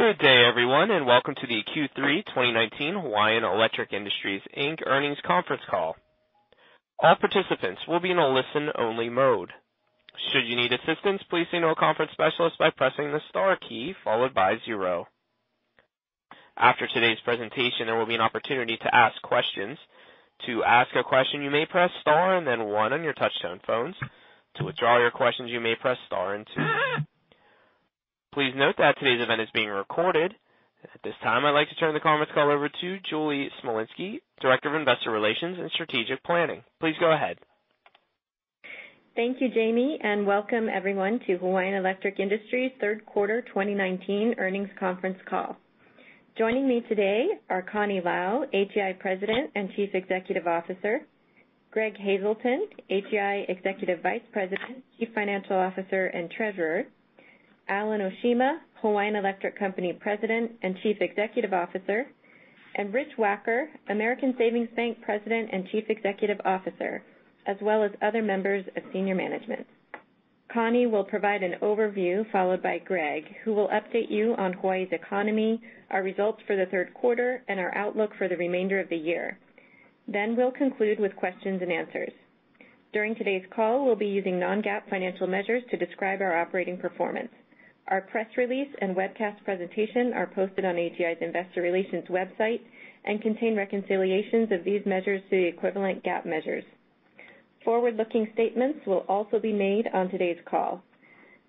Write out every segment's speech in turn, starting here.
Good day, everyone, and welcome to the Q3 2019 Hawaiian Electric Industries, Inc. earnings conference call. All participants will be in a listen-only mode. Should you need assistance, please signal a conference specialist by pressing the star key followed by zero. After today's presentation, there will be an opportunity to ask questions. To ask a question, you may press star and then one on your touch-tone phones. To withdraw your questions, you may press star and two. Please note that today's event is being recorded. At this time, I'd like to turn the conference call over to Julie Smolinski, Director of Investor Relations and Strategic Planning. Please go ahead. Thank you, Jamie. Welcome everyone to Hawaiian Electric Industries' third quarter 2019 earnings conference call. Joining me today are Connie Lau, HEI President and Chief Executive Officer; Greg Hazelton, HEI Executive Vice President, Chief Financial Officer, and Treasurer; Alan Oshima, Hawaiian Electric Company President and Chief Executive Officer; and Rich Wacker, American Savings Bank President and Chief Executive Officer, as well as other members of senior management. Connie will provide an overview, followed by Greg, who will update you on Hawaii's economy, our results for the third quarter, and our outlook for the remainder of the year. We'll conclude with questions and answers. During today's call, we'll be using non-GAAP financial measures to describe our operating performance. Our press release and webcast presentation are posted on HEI's investor relations website and contain reconciliations of these measures to the equivalent GAAP measures. Forward-looking statements will also be made on today's call.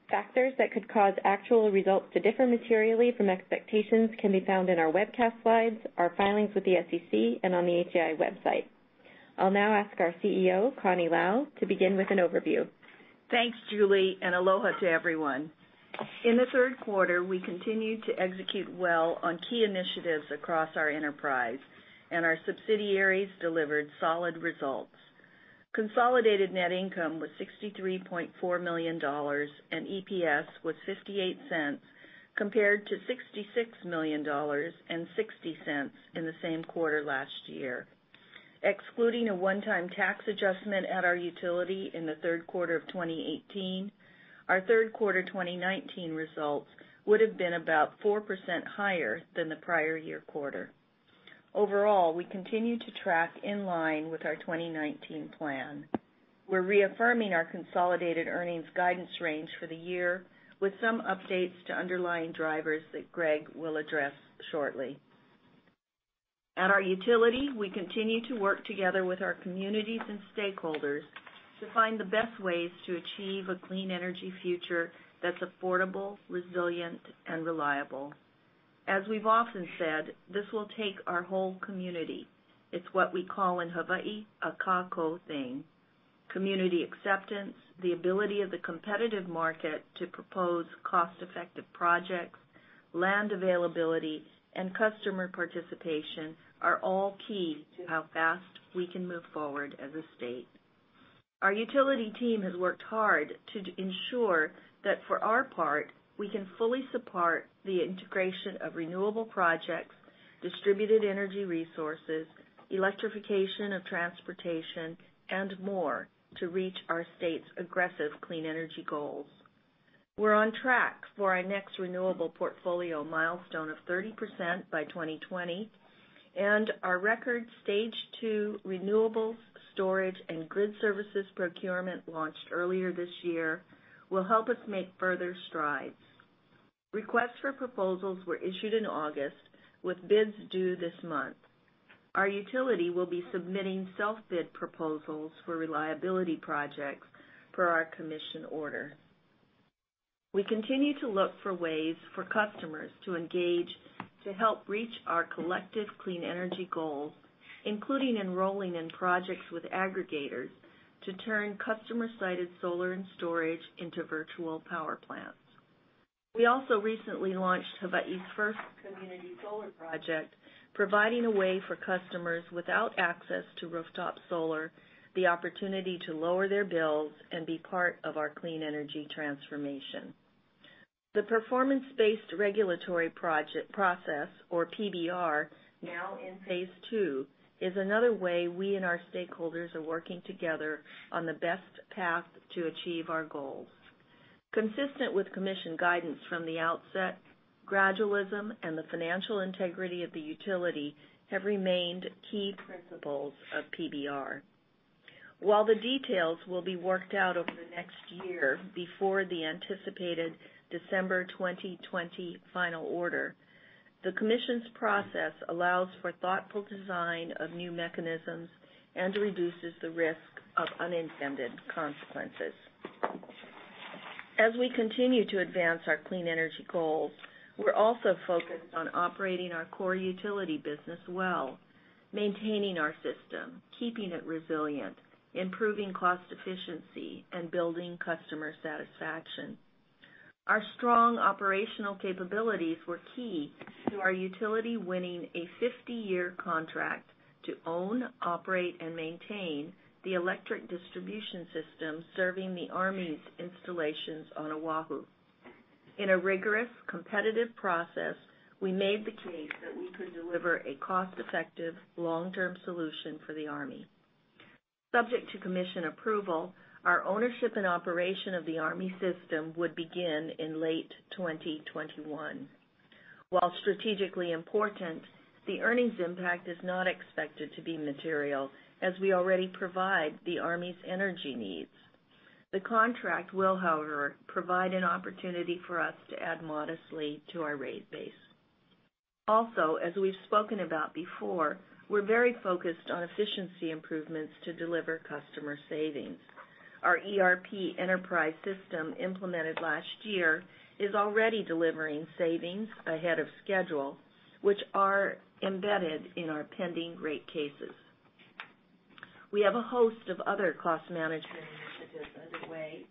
Factors that could cause actual results to differ materially from expectations can be found in our webcast slides, our filings with the SEC, and on the HEI website. I'll now ask our CEO, Connie Lau, to begin with an overview. Thanks, Julie, and aloha to everyone. In the third quarter, we continued to execute well on key initiatives across our enterprise, and our subsidiaries delivered solid results. Consolidated net income was $63.4 million, and EPS was $0.58, compared to $66 million and $0.60 in the same quarter last year. Excluding a one-time tax adjustment at our utility in the third quarter of 2018, our third-quarter 2019 results would've been about 4% higher than the prior year quarter. We continue to track in line with our 2019 plan. We're reaffirming our consolidated earnings guidance range for the year with some updates to underlying drivers that Greg will address shortly. At our utility, we continue to work together with our communities and stakeholders to find the best ways to achieve a clean energy future that's affordable, resilient, and reliable. We've often said, this will take our whole community. It's what we call in Hawaii a kākou thing. Community acceptance, the ability of the competitive market to propose cost-effective projects, land availability, and customer participation are all key to how fast we can move forward as a state. Our utility team has worked hard to ensure that for our part, we can fully support the integration of renewable projects, distributed energy resources, electrification of transportation, and more to reach our state's aggressive clean energy goals. We're on track for our next renewable portfolio milestone of 30% by 2020, and our record Stage 2 renewables storage and grid services procurement launched earlier this year will help us make further strides. Requests for proposals were issued in August, with bids due this month. Our utility will be submitting self-bid proposals for reliability projects for our Commission order. We continue to look for ways for customers to engage to help reach our collective clean energy goals, including enrolling in projects with aggregators to turn customer-sited solar and storage into virtual power plants. We also recently launched Hawaii's first community solar project, providing a way for customers without access to rooftop solar the opportunity to lower their bills and be part of our clean energy transformation. The performance-based regulatory process, or PBR, now in phase two, is another way we and our stakeholders are working together on the best path to achieve our goals. Consistent with Commission guidance from the outset, gradualism and the financial integrity of the utility have remained key principles of PBR. While the details will be worked out over the next year before the anticipated December 2020 final order, the commission's process allows for thoughtful design of new mechanisms and reduces the risk of unintended consequences. As we continue to advance our clean energy goals, we're also focused on operating our core utility business well, maintaining our system, keeping it resilient, improving cost efficiency, and building customer satisfaction. Our strong operational capabilities were key to our utility winning a 50-year contract to own, operate, and maintain the electric distribution system serving the Army's installations on Oahu. In a rigorous, competitive process, we made the case that we could deliver a cost-effective, long-term solution for the Army. Subject to commission approval, our ownership and operation of the Army system would begin in late 2021. While strategically important, the earnings impact is not expected to be material, as we already provide the army's energy needs. The contract will, however, provide an opportunity for us to add modestly to our rate base. As we've spoken about before, we're very focused on efficiency improvements to deliver customer savings. Our ERP enterprise system implemented last year is already delivering savings ahead of schedule, which are embedded in our pending rate cases. We have a host of other cost management initiatives underway,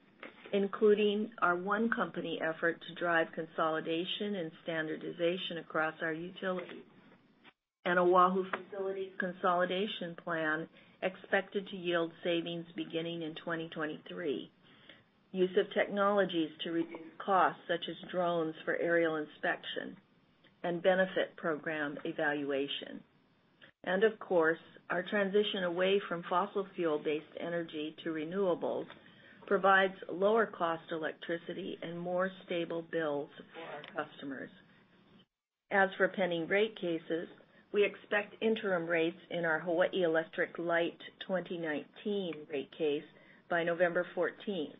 including our one company effort to drive consolidation and standardization across our utilities, and Oahu Facilities Consolidation Plan expected to yield savings beginning in 2023, use of technologies to reduce costs, such as drones for aerial inspection and benefit program evaluation. Of course, our transition away from fossil fuel-based energy to renewables provides lower cost electricity and more stable bills for our customers. As for pending rate cases, we expect interim rates in our Hawaii Electric Light 2019 rate case by November 14th.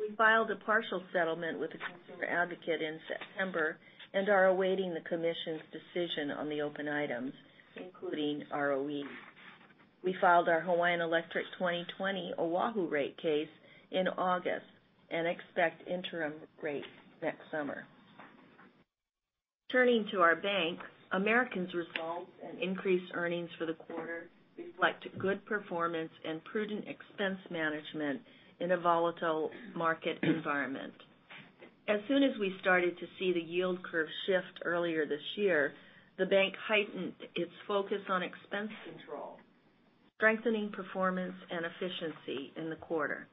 We filed a partial settlement with the consumer advocate in September and are awaiting the commission's decision on the open items, including ROE. We filed our Hawaiian Electric 2020 Oahu rate case in August and expect interim rates next summer. Turning to our bank, ASB's results and increased earnings for the quarter reflect good performance and prudent expense management in a volatile market environment. As soon as we started to see the yield curve shift earlier this year, the bank heightened its focus on expense control, strengthening performance and efficiency in the quarter.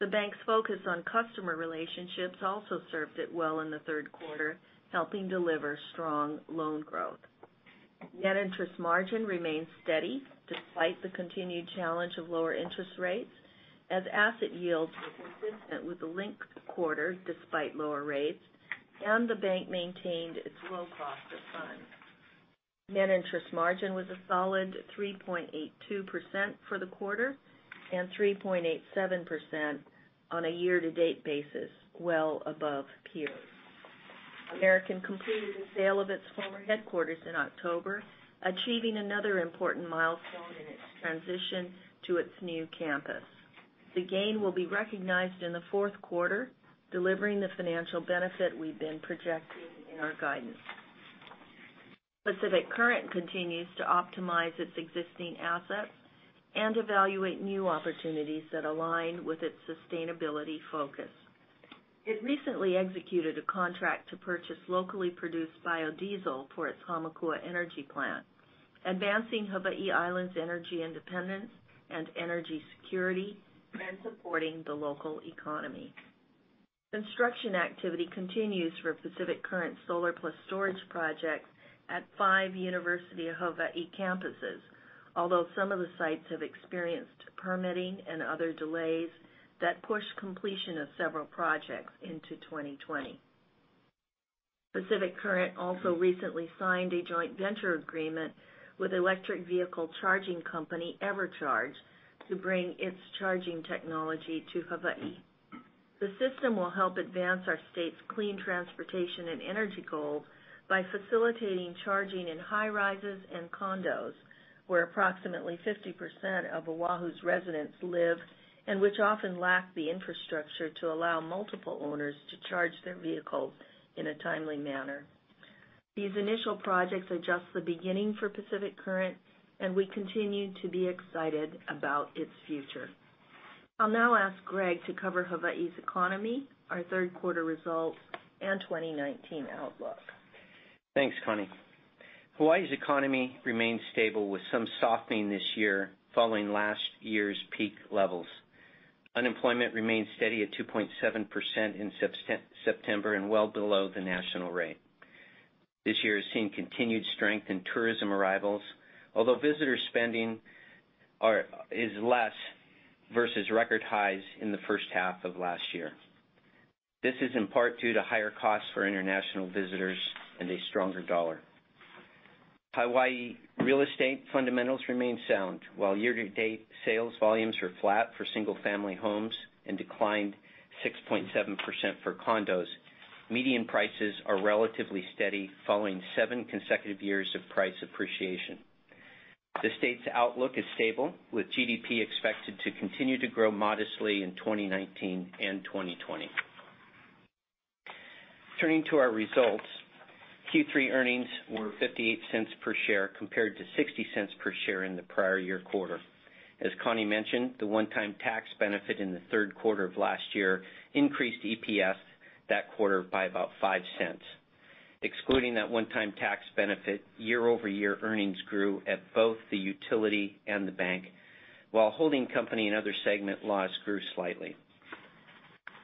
The bank's focus on customer relationships also served it well in the third quarter, helping deliver strong loan growth. Net interest margin remains steady despite the continued challenge of lower interest rates as asset yields were consistent with the linked quarter despite lower rates, and the bank maintained its low cost of funds. Net interest margin was a solid 3.82% for the quarter and 3.87% on a year-to-date basis, well above peers. American completed the sale of its former headquarters in October, achieving another important milestone in its transition to its new campus. The gain will be recognized in the fourth quarter, delivering the financial benefit we've been projecting in our guidance. Pacific Current continues to optimize its existing assets and evaluate new opportunities that align with its sustainability focus. It recently executed a contract to purchase locally produced biodiesel for its Hamakua energy plant, advancing Hawaii Island's energy independence and energy security and supporting the local economy. Construction activity continues for Pacific Current solar plus storage projects at five University of Hawaiʻi campuses. Although some of the sites have experienced permitting and other delays that push completion of several projects into 2020. Pacific Current also recently signed a joint venture agreement with electric vehicle charging company EverCharge to bring its charging technology to Hawaii. The system will help advance our state's clean transportation and energy goals by facilitating charging in high-rises and condos, where approximately 50% of Oahu's residents live, and which often lack the infrastructure to allow multiple owners to charge their vehicles in a timely manner. These initial projects are just the beginning for Pacific Current, and we continue to be excited about its future. I'll now ask Greg to cover Hawaii's economy, our third quarter results, and 2019 outlook. Thanks, Connie. Hawaii's economy remains stable with some softening this year following last year's peak levels. Unemployment remains steady at 2.7% in September and well below the national rate. This year has seen continued strength in tourism arrivals, although visitor spending is less versus record highs in the first half of last year. This is in part due to higher costs for international visitors and a stronger dollar. Hawaii real estate fundamentals remain sound. While year-to-date sales volumes are flat for single-family homes and declined 6.7% for condos. Median prices are relatively steady following seven consecutive years of price appreciation. The state's outlook is stable, with GDP expected to continue to grow modestly in 2019 and 2020. Turning to our results, Q3 earnings were $0.58 per share compared to $0.60 per share in the prior year quarter. As Connie mentioned, the one-time tax benefit in the third quarter of last year increased EPS that quarter by about $0.05. Excluding that one-time tax benefit, year-over-year earnings grew at both the utility and the bank, while holding company and other segment loss grew slightly.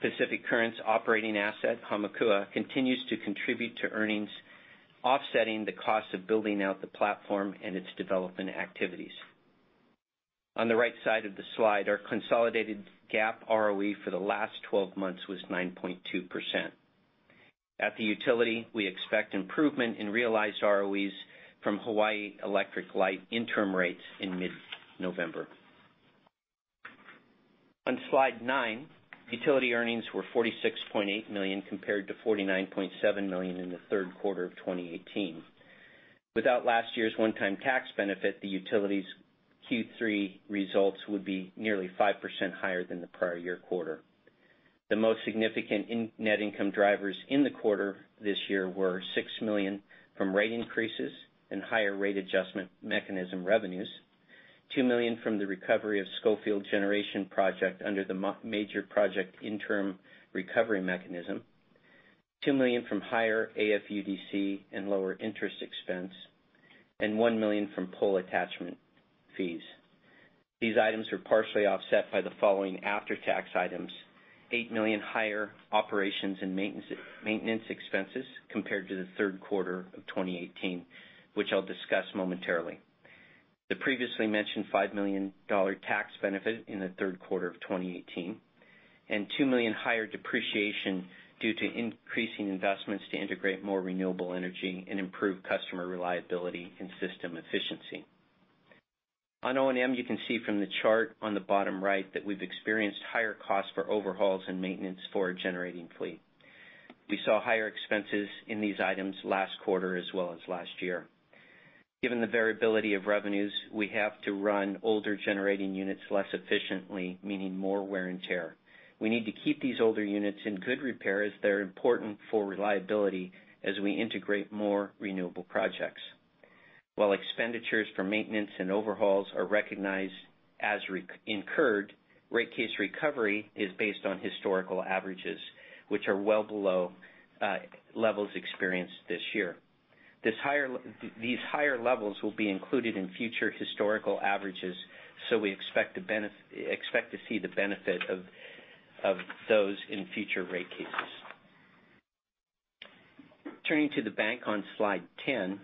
Pacific Current's operating asset, Hamakua, continues to contribute to earnings, offsetting the cost of building out the platform and its development activities. On the right side of the slide, our consolidated GAAP ROE for the last 12 months was 9.2%. At the utility, we expect improvement in realized ROEs from Hawaii Electric Light interim rates in mid-November. On slide nine, utility earnings were $46.8 million compared to $49.7 million in the third quarter of 2018. Without last year's one-time tax benefit, the utility's Q3 results would be nearly 5% higher than the prior year quarter. The most significant net income drivers in the quarter this year were $6 million from rate increases and higher rate adjustment mechanism revenues, $2 million from the recovery of Schofield Generation Project under the Major Project Interim Recovery Mechanism, $2 million from higher AFUDC and lower interest expense, and $1 million from pole attachment fees. These items were partially offset by the following after-tax items: $8 million higher Operations and Maintenance expenses compared to the third quarter of 2018, which I'll discuss momentarily. The previously mentioned $5 million tax benefit in the third quarter of 2018, and $2 million higher depreciation due to increasing investments to integrate more renewable energy and improve customer reliability and system efficiency. On O&M, you can see from the chart on the bottom right that we've experienced higher costs for overhauls and maintenance for our generating fleet. We saw higher expenses in these items last quarter as well as last year. Given the variability of revenues, we have to run older generating units less efficiently, meaning more wear and tear. We need to keep these older units in good repair as they're important for reliability as we integrate more renewable projects. While expenditures for maintenance and overhauls are recognized as incurred, rate case recovery is based on historical averages, which are well below levels experienced this year. These higher levels will be included in future historical averages. We expect to see the benefit of those in future rate cases. Turning to the bank on slide 10.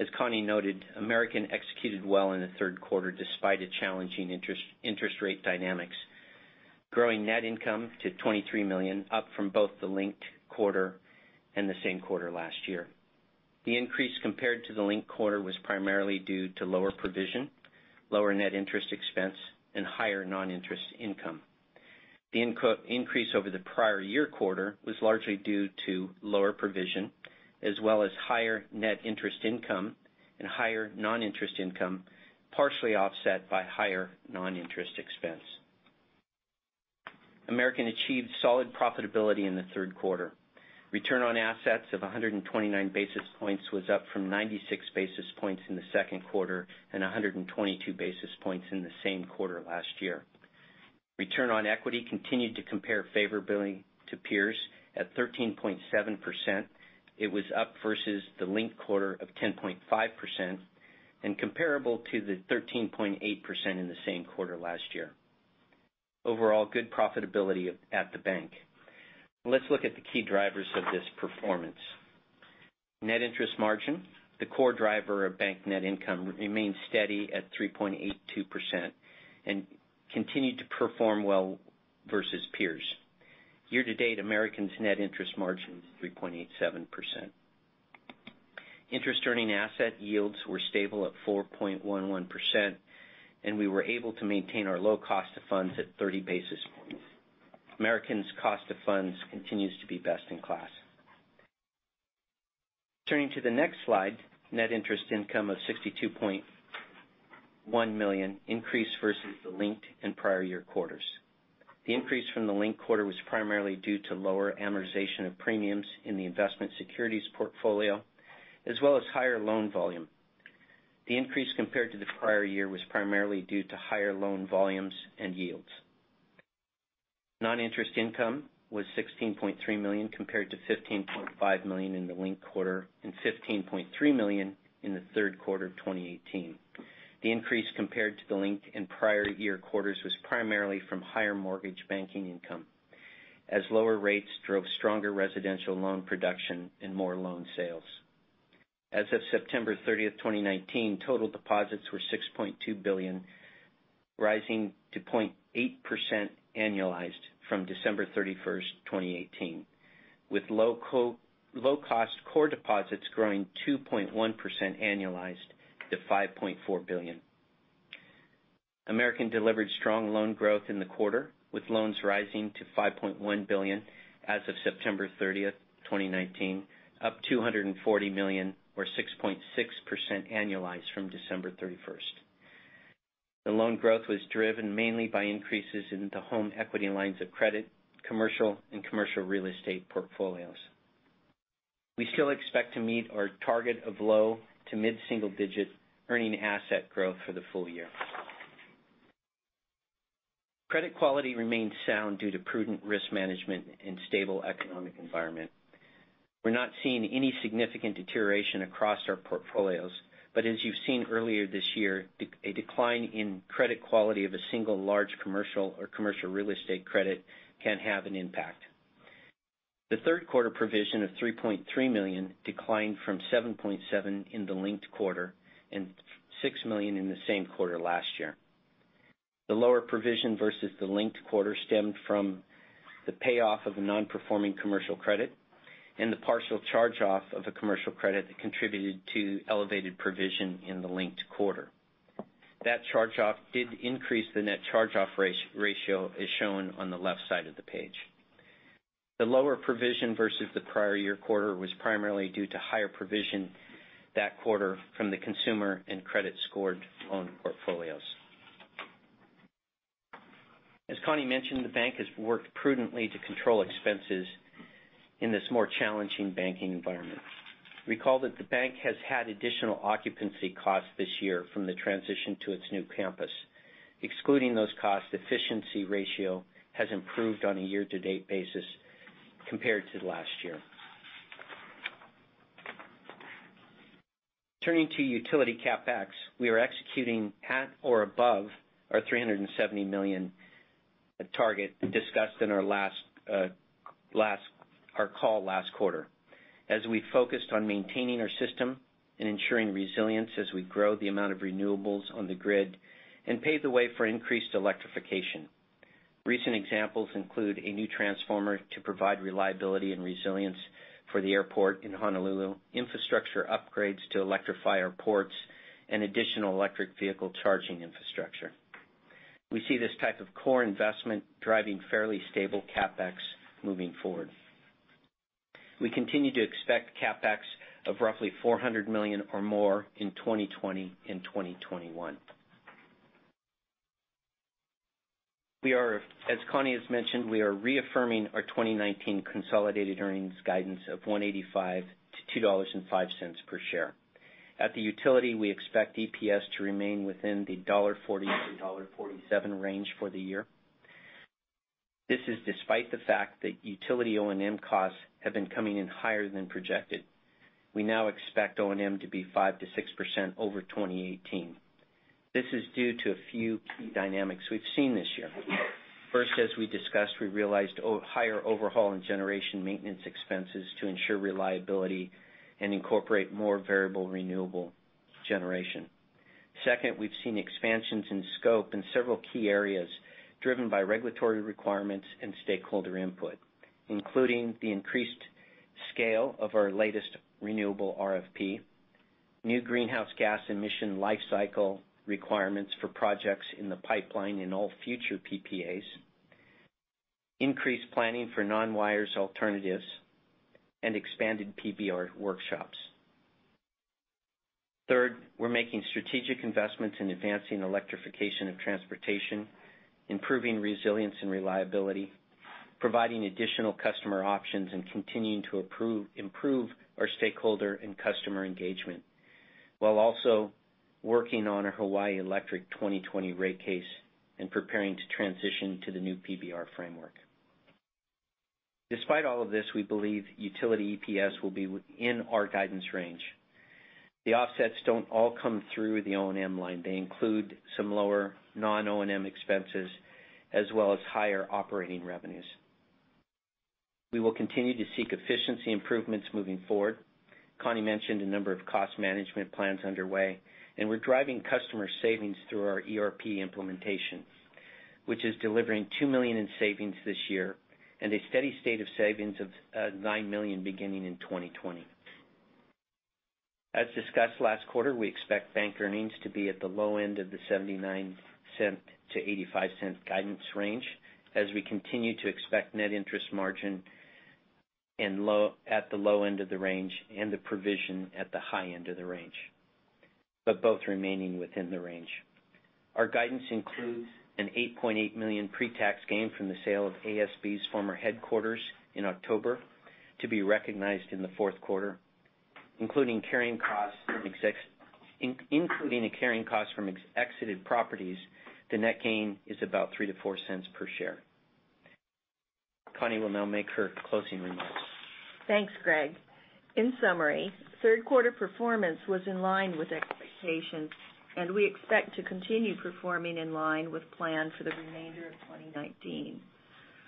As Connie noted, American executed well in the third quarter despite challenging interest rate dynamics, growing net income to $23 million, up from both the linked quarter and the same quarter last year. The increase compared to the linked quarter was primarily due to lower provision, lower net interest expense, and higher non-interest income. The increase over the prior year quarter was largely due to lower provision as well as higher net interest income and higher non-interest income, partially offset by higher non-interest expense. American achieved solid profitability in the third quarter. Return on assets of 129 basis points was up from 96 basis points in the second quarter and 122 basis points in the same quarter last year. Return on equity continued to compare favorably to peers at 13.7%. It was up versus the linked quarter of 10.5% and comparable to the 13.8% in the same quarter last year. Overall, good profitability at the bank. Let's look at the key drivers of this performance. Net interest margin, the core driver of bank net income, remains steady at 3.82% and continued to perform well versus peers. Year to date, American's net interest margin is 3.87%. Interest earning asset yields were stable at 4.11%, and we were able to maintain our low cost of funds at 30 basis points. American's cost of funds continues to be best in class. Turning to the next slide, net interest income of $62.1 million increased versus the linked and prior year quarters. The increase from the linked quarter was primarily due to lower amortization of premiums in the investment securities portfolio, as well as higher loan volume. The increase compared to the prior year was primarily due to higher loan volumes and yields. Non-interest income was $16.3 million compared to $15.5 million in the linked quarter and $15.3 million in the third quarter of 2018. The increase compared to the linked and prior year quarters was primarily from higher mortgage banking income, as lower rates drove stronger residential loan production and more loan sales. As of September 30, 2019, total deposits were $6.2 billion, rising to 0.8% annualized from December 31, 2018, with low-cost core deposits growing 2.1% annualized to $5.4 billion. American delivered strong loan growth in the quarter, with loans rising to $5.1 billion as of September 30, 2019, up $240 million or 6.6% annualized from December 31. The loan growth was driven mainly by increases in the home equity lines of credit, commercial, and commercial real estate portfolios. We still expect to meet our target of low to mid-single-digit earning asset growth for the full year. Credit quality remains sound due to prudent risk management and stable economic environment. We're not seeing any significant deterioration across our portfolios. As you've seen earlier this year, a decline in credit quality of a single large commercial or commercial real estate credit can have an impact. The third quarter provision of $3.3 million declined from $7.7 million in the linked quarter and $6 million in the same quarter last year. The lower provision versus the linked quarter stemmed from the payoff of a non-performing commercial credit and the partial charge-off of a commercial credit that contributed to elevated provision in the linked quarter. That charge-off did increase the net charge-off ratio as shown on the left side of the page. The lower provision versus the prior year quarter was primarily due to higher provision that quarter from the consumer and credit card portfolios. As Connie mentioned, the bank has worked prudently to control expenses in this more challenging banking environment. Recall that the bank has had additional occupancy costs this year from the transition to its new campus. Excluding those costs, efficiency ratio has improved on a year-to-date basis compared to last year. Turning to utility CapEx, we are executing at or above our $370 million target discussed in our call last quarter. As we focused on maintaining our system and ensuring resilience as we grow the amount of renewables on the grid and pave the way for increased electrification. Recent examples include a new transformer to provide reliability and resilience for the airport in Honolulu, infrastructure upgrades to electrify our ports, and additional electric vehicle charging infrastructure. We see this type of core investment driving fairly stable CapEx moving forward. We continue to expect CapEx of roughly $400 million or more in 2020 and 2021. As Connie has mentioned, we are reaffirming our 2019 consolidated earnings guidance of $1.85-$2.05 per share. At the utility, we expect EPS to remain within the $1.40-$1.47 range for the year. This is despite the fact that utility O&M costs have been coming in higher than projected. We now expect O&M to be 5%-6% over 2018. This is due to a few key dynamics we've seen this year. First, as we discussed, we realized higher overhaul and generation maintenance expenses to ensure reliability and incorporate more variable renewable generation. Second, we've seen expansions in scope in several key areas driven by regulatory requirements and stakeholder input, including the increased scale of our latest renewable RFP, new greenhouse gas emission lifecycle requirements for projects in the pipeline in all future PPAs, increased planning for non-wires alternatives, and expanded PBR workshops. Third, we're making strategic investments in advancing electrification of transportation, improving resilience and reliability, providing additional customer options, and continuing to improve our stakeholder and customer engagement, while also working on a Hawaiian Electric 2020 rate case and preparing to transition to the new PBR framework. Despite all of this, we believe utility EPS will be within our guidance range. The offsets don't all come through the O&M line. They include some lower non-O&M expenses, as well as higher operating revenues. We will continue to seek efficiency improvements moving forward. Connie mentioned a number of cost management plans underway, and we're driving customer savings through our ERP implementation, which is delivering $2 million in savings this year and a steady state of savings of $9 million beginning in 2020. As discussed last quarter, we expect bank earnings to be at the low end of the $0.79 to $0.85 guidance range as we continue to expect net interest margin at the low end of the range and the provision at the high end of the range. Both remaining within the range. Our guidance includes an $8.8 million pre-tax gain from the sale of ASB's former headquarters in October to be recognized in the fourth quarter. Including a carrying cost from exited properties, the net gain is about $0.03 to $0.04 per share. Connie will now make her closing remarks. Thanks, Greg. In summary, third quarter performance was in line with expectations, and we expect to continue performing in line with plan for the remainder of 2019.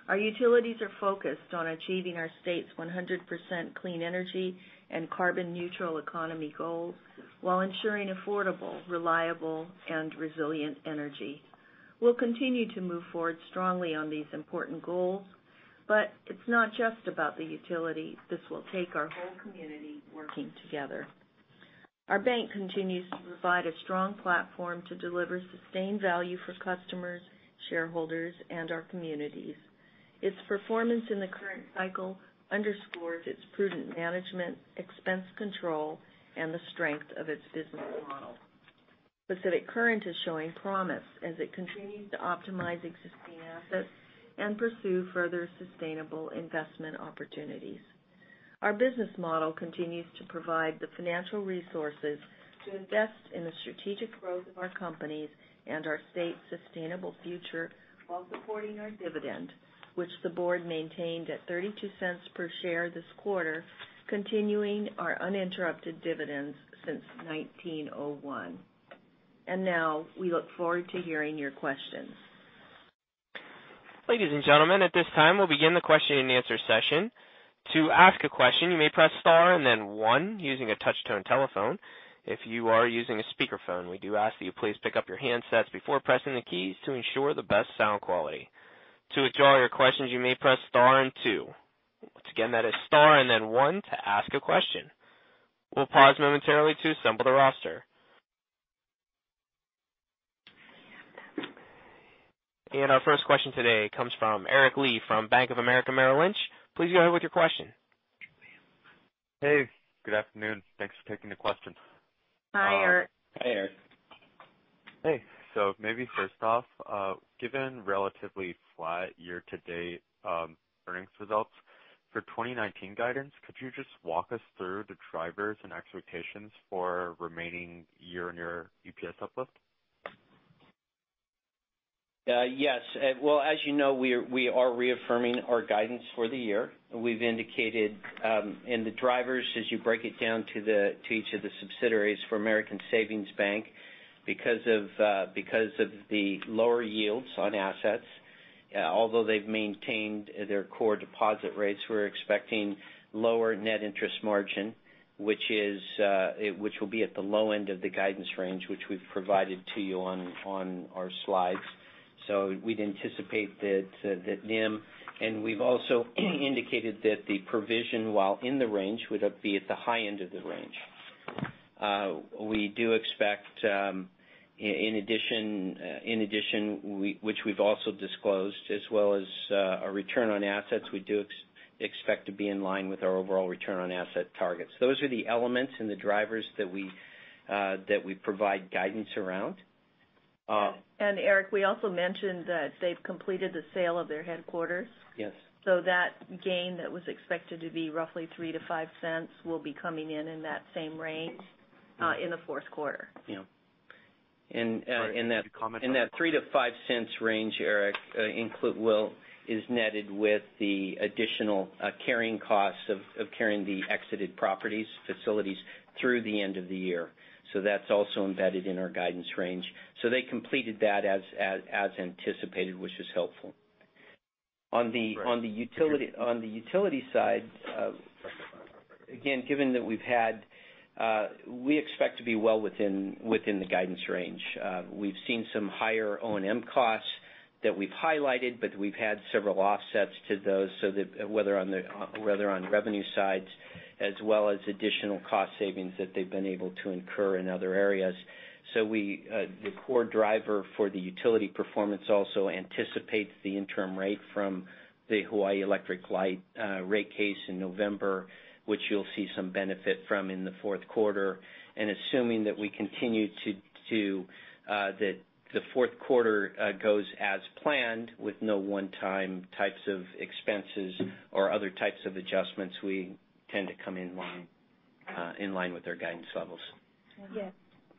Our utilities are focused on achieving our state's 100% clean energy and carbon neutral economy goals while ensuring affordable, reliable, and resilient energy. We'll continue to move forward strongly on these important goals, but it's not just about the utility. This will take our whole community working together. Our bank continues to provide a strong platform to deliver sustained value for customers, shareholders, and our communities. Its performance in the current cycle underscores its prudent management, expense control, and the strength of its business model. Pacific Current is showing promise as it continues to optimize existing assets and pursue further sustainable investment opportunities. Our business model continues to provide the financial resources to invest in the strategic growth of our companies and our state's sustainable future while supporting our dividend, which the board maintained at $0.32 per share this quarter, continuing our uninterrupted dividends since 1901. Now we look forward to hearing your questions. Ladies and gentlemen, at this time, we'll begin the question and answer session. To ask a question, you may press star and then one using a touch-tone telephone. If you are using a speakerphone, we do ask that you please pick up your handsets before pressing the keys to ensure the best sound quality. To withdraw your questions, you may press star and two. Once again, that is star and then one to ask a question. We'll pause momentarily to assemble the roster. Our first question today comes from Julien Dumoulin-Smith from Bank of America Merrill Lynch. Please go ahead with your question. Hey, good afternoon. Thanks for taking the question. Hi, Eric. Hi, Eric. Hey. Maybe first off, given relatively flat year-to-date earnings results for 2019 guidance, could you just walk us through the drivers and expectations for remaining year-on-year EPS uplift? Yes. Well, as you know, we are reaffirming our guidance for the year. We've indicated in the drivers, as you break it down to each of the subsidiaries for American Savings Bank because of the lower yields on assets. Although they've maintained their core deposit rates, we're expecting lower net interest margin, which will be at the low end of the guidance range, which we've provided to you on our slides. We'd anticipate that NIM. We've also indicated that the provision, while in the range, would be at the high end of the range. We do expect in addition, which we've also disclosed as well as our return on assets. We do expect to be in line with our overall return on asset targets. Those are the elements and the drivers that we provide guidance around. Eric, we also mentioned that they've completed the sale of their headquarters. Yes. That gain that was expected to be roughly $0.03-$0.05 will be coming in in that same range in the fourth quarter. Yeah. Could you comment on that? That $0.03-$0.05 range, Eric, is netted with the additional carrying costs of carrying the exited properties facilities through the end of the year. That's also embedded in our guidance range. They completed that as anticipated, which was helpful. Right. On the utility side again, given that we expect to be well within the guidance range. We've seen some higher O&M costs that we've highlighted. We've had several offsets to those, so that whether on revenue sides as well as additional cost savings that they've been able to incur in other areas. The core driver for the utility performance also anticipates the interim rate from the Hawaii Electric Light rate case in November, which you'll see some benefit from in the fourth quarter. Assuming that the fourth quarter goes as planned with no one-time types of expenses or other types of adjustments, we tend to come in line with their guidance levels. Yes.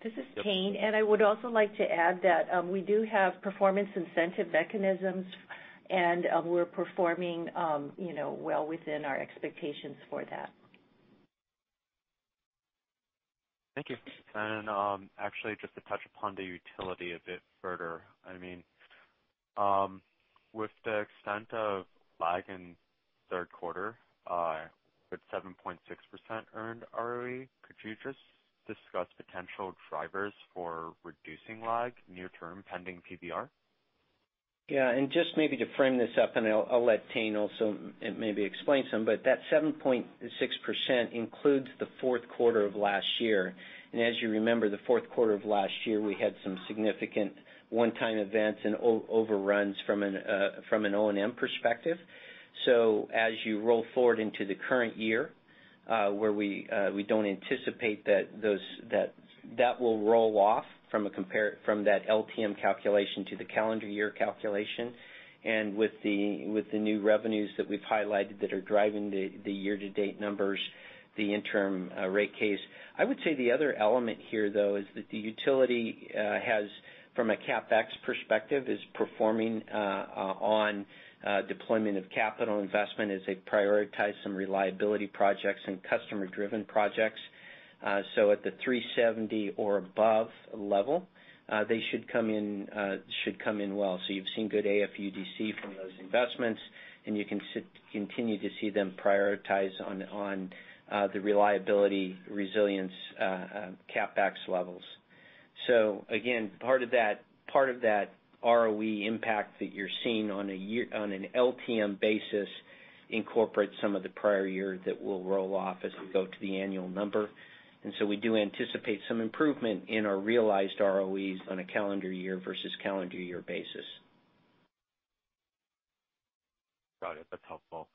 This is Tayne. I would also like to add that we do have Performance Incentive Mechanisms, and we're performing well within our expectations for that. Thank you. Actually just to touch upon the utility a bit further. With the extent of lag in third quarter at 7.6% earned ROE, could you just discuss potential drivers for reducing lag near term pending PBR? Yeah. Just maybe to frame this up, and I'll let Tayne also maybe explain some, but that 7.6% includes the fourth quarter of last year. As you remember, the fourth quarter of last year, we had some significant one-time events and overruns from an O&M perspective. As you roll forward into the current year, where we don't anticipate that will roll off from that LTM calculation to the calendar year calculation and with the new revenues that we've highlighted that are driving the year-to-date numbers, the interim rate case. I would say the other element here, though, is that the utility from a CapEx perspective is performing on deployment of capital investment as they prioritize some reliability projects and customer-driven projects. At the 370 or above level, they should come in well. You've seen good AFUDC from those investments, and you can continue to see them prioritize on the reliability resilience CapEx levels. Again, part of that ROE impact that you're seeing on an LTM basis incorporates some of the prior year that will roll off as we go to the annual number. We do anticipate some improvement in our realized ROEs on a calendar year versus calendar year basis. Got it. That's helpful.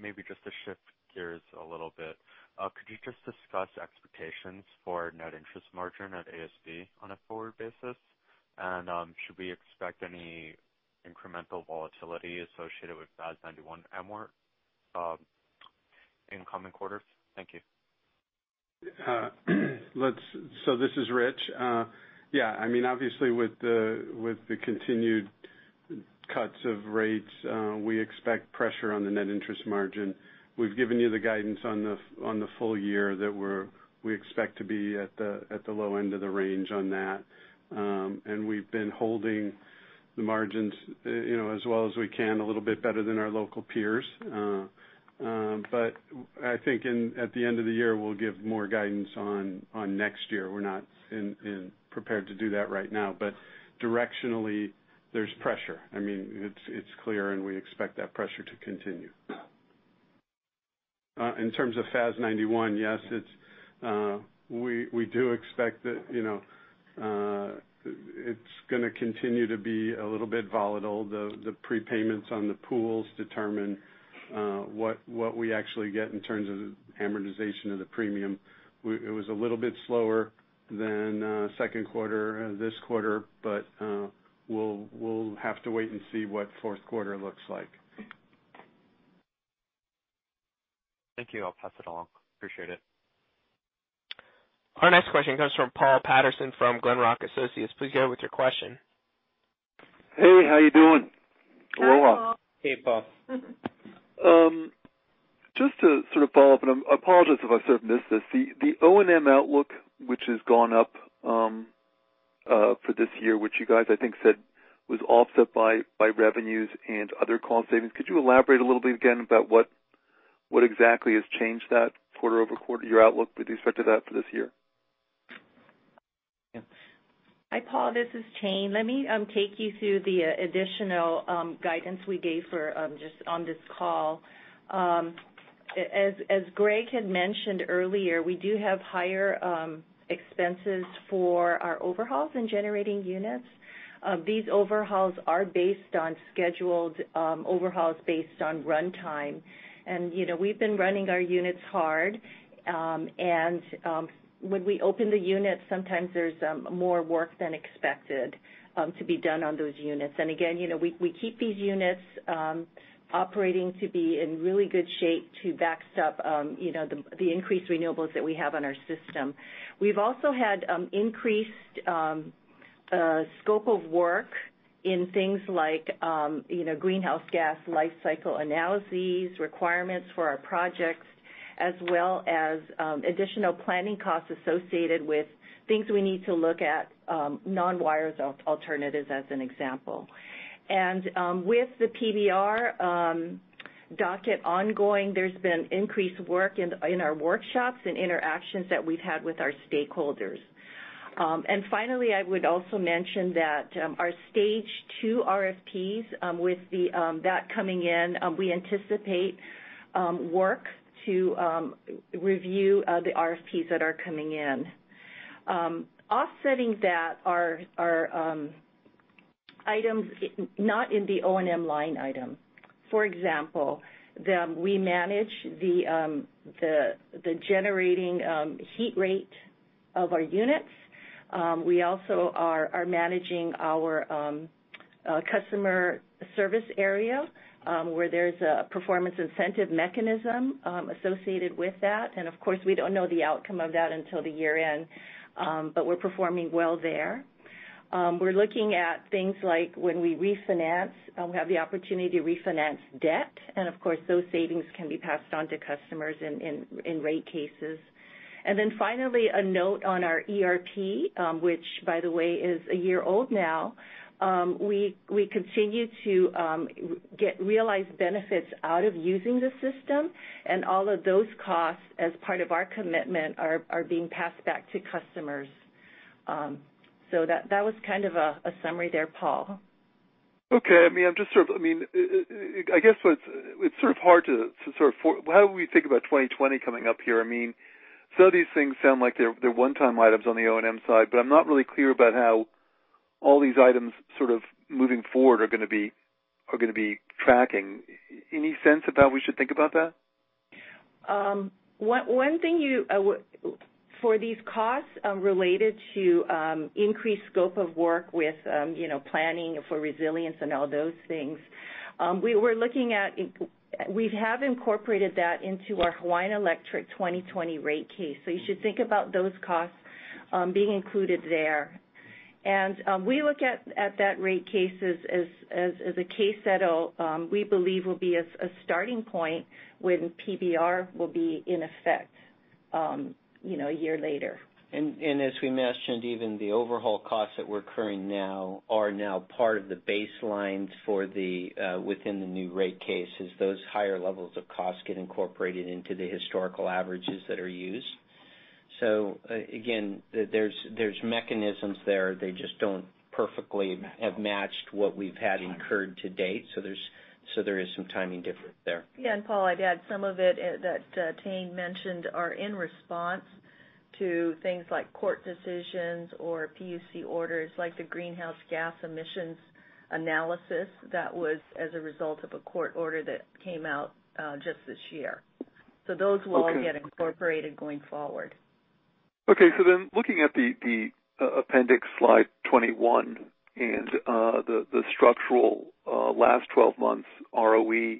Maybe just to shift gears a little bit. Could you just discuss expectations for net interest margin at ASB on a forward basis? Should we expect any incremental volatility associated with FAS 91 MSR in coming quarters? Thank you. This is Rich. Yeah. Obviously, with the continued cuts of rates, we expect pressure on the net interest margin. We've given you the guidance on the full year that we expect to be at the low end of the range on that. We've been holding the margins, as well as we can, a little bit better than our local peers. I think at the end of the year, we'll give more guidance on next year. We're not prepared to do that right now. Directionally, there's pressure. It's clear, and we expect that pressure to continue. In terms of FAS 91, yes, we do expect that it's going to continue to be a little bit volatile. The prepayments on the pools determine what we actually get in terms of amortization of the premium. It was a little bit slower than second quarter this quarter, but we'll have to wait and see what fourth quarter looks like. Thank you. I'll pass it along. Appreciate it. Our next question comes from Paul Patterson from Glenrock Associates. Please go with your question. Hey, how you doing? Hi, Paul. Hey, Paul. Just to sort of follow up, I apologize if I sort of missed this, the O&M outlook, which has gone up for this year, which you guys, I think said was offset by revenues and other cost savings. Could you elaborate a little bit again about what exactly has changed that quarter-over-quarter, your outlook with respect to that for this year? Hi, Paul, this is Tayne. Let me take you through the additional guidance we gave on this call. As Greg had mentioned earlier, we do have higher expenses for our overhauls in generating units. These overhauls are based on scheduled overhauls based on runtime. We've been running our units hard. When we open the units, sometimes there's more work than expected to be done on those units. Again, we keep these units operating to be in really good shape to backstop the increased renewables that we have on our system. We've also had increased scope of work in things like greenhouse gas life cycle analyses, requirements for our projects, as well as additional planning costs associated with things we need to look at non-wires alternatives, as an example. With the PBR docket ongoing, there's been increased work in our workshops and interactions that we've had with our stakeholders. Finally, I would also mention that our stage 2 RFPs, with that coming in, we anticipate work to review the RFPs that are coming in. Offsetting that are items not in the O&M line item. For example, we manage the generating heat rate of our units. We also are managing our customer service area, where there's a performance incentive mechanism associated with that. Of course, we don't know the outcome of that until the year-end, but we're performing well there. We're looking at things like when we refinance, we have the opportunity to refinance debt, and of course, those savings can be passed on to customers in rate cases. Finally, a note on our ERP, which by the way is a year old now. We continue to get realized benefits out of using the system, and all of those costs as part of our commitment are being passed back to customers. That was kind of a summary there, Paul. Okay. It's sort of hard to how we think about 2020 coming up here. Some of these things sound like they're one-time items on the O&M side, but I'm not really clear about how all these items sort of moving forward are going to be tracking. Any sense about we should think about that? For these costs related to increased scope of work with planning for resilience and all those things, we have incorporated that into our Hawaiian Electric 2020 rate case. You should think about those costs being included there. We look at that rate case as a case that we believe will be a starting point when PBR will be in effect a year later. As we mentioned, even the overhaul costs that we're incurring now are now part of the baselines within the new rate cases. Those higher levels of costs get incorporated into the historical averages that are used. Again, there's mechanisms there. They just don't perfectly have matched what we've had incurred to date. There is some timing difference there. Yeah. Paul, I'd add some of it that Tayne mentioned are in response to things like court decisions or PUC orders, like the greenhouse gas emissions analysis that was as a result of a court order that came out just this year. Okay. Those will all get incorporated going forward. Looking at the appendix, slide 21, and the structural last 12 months ROE,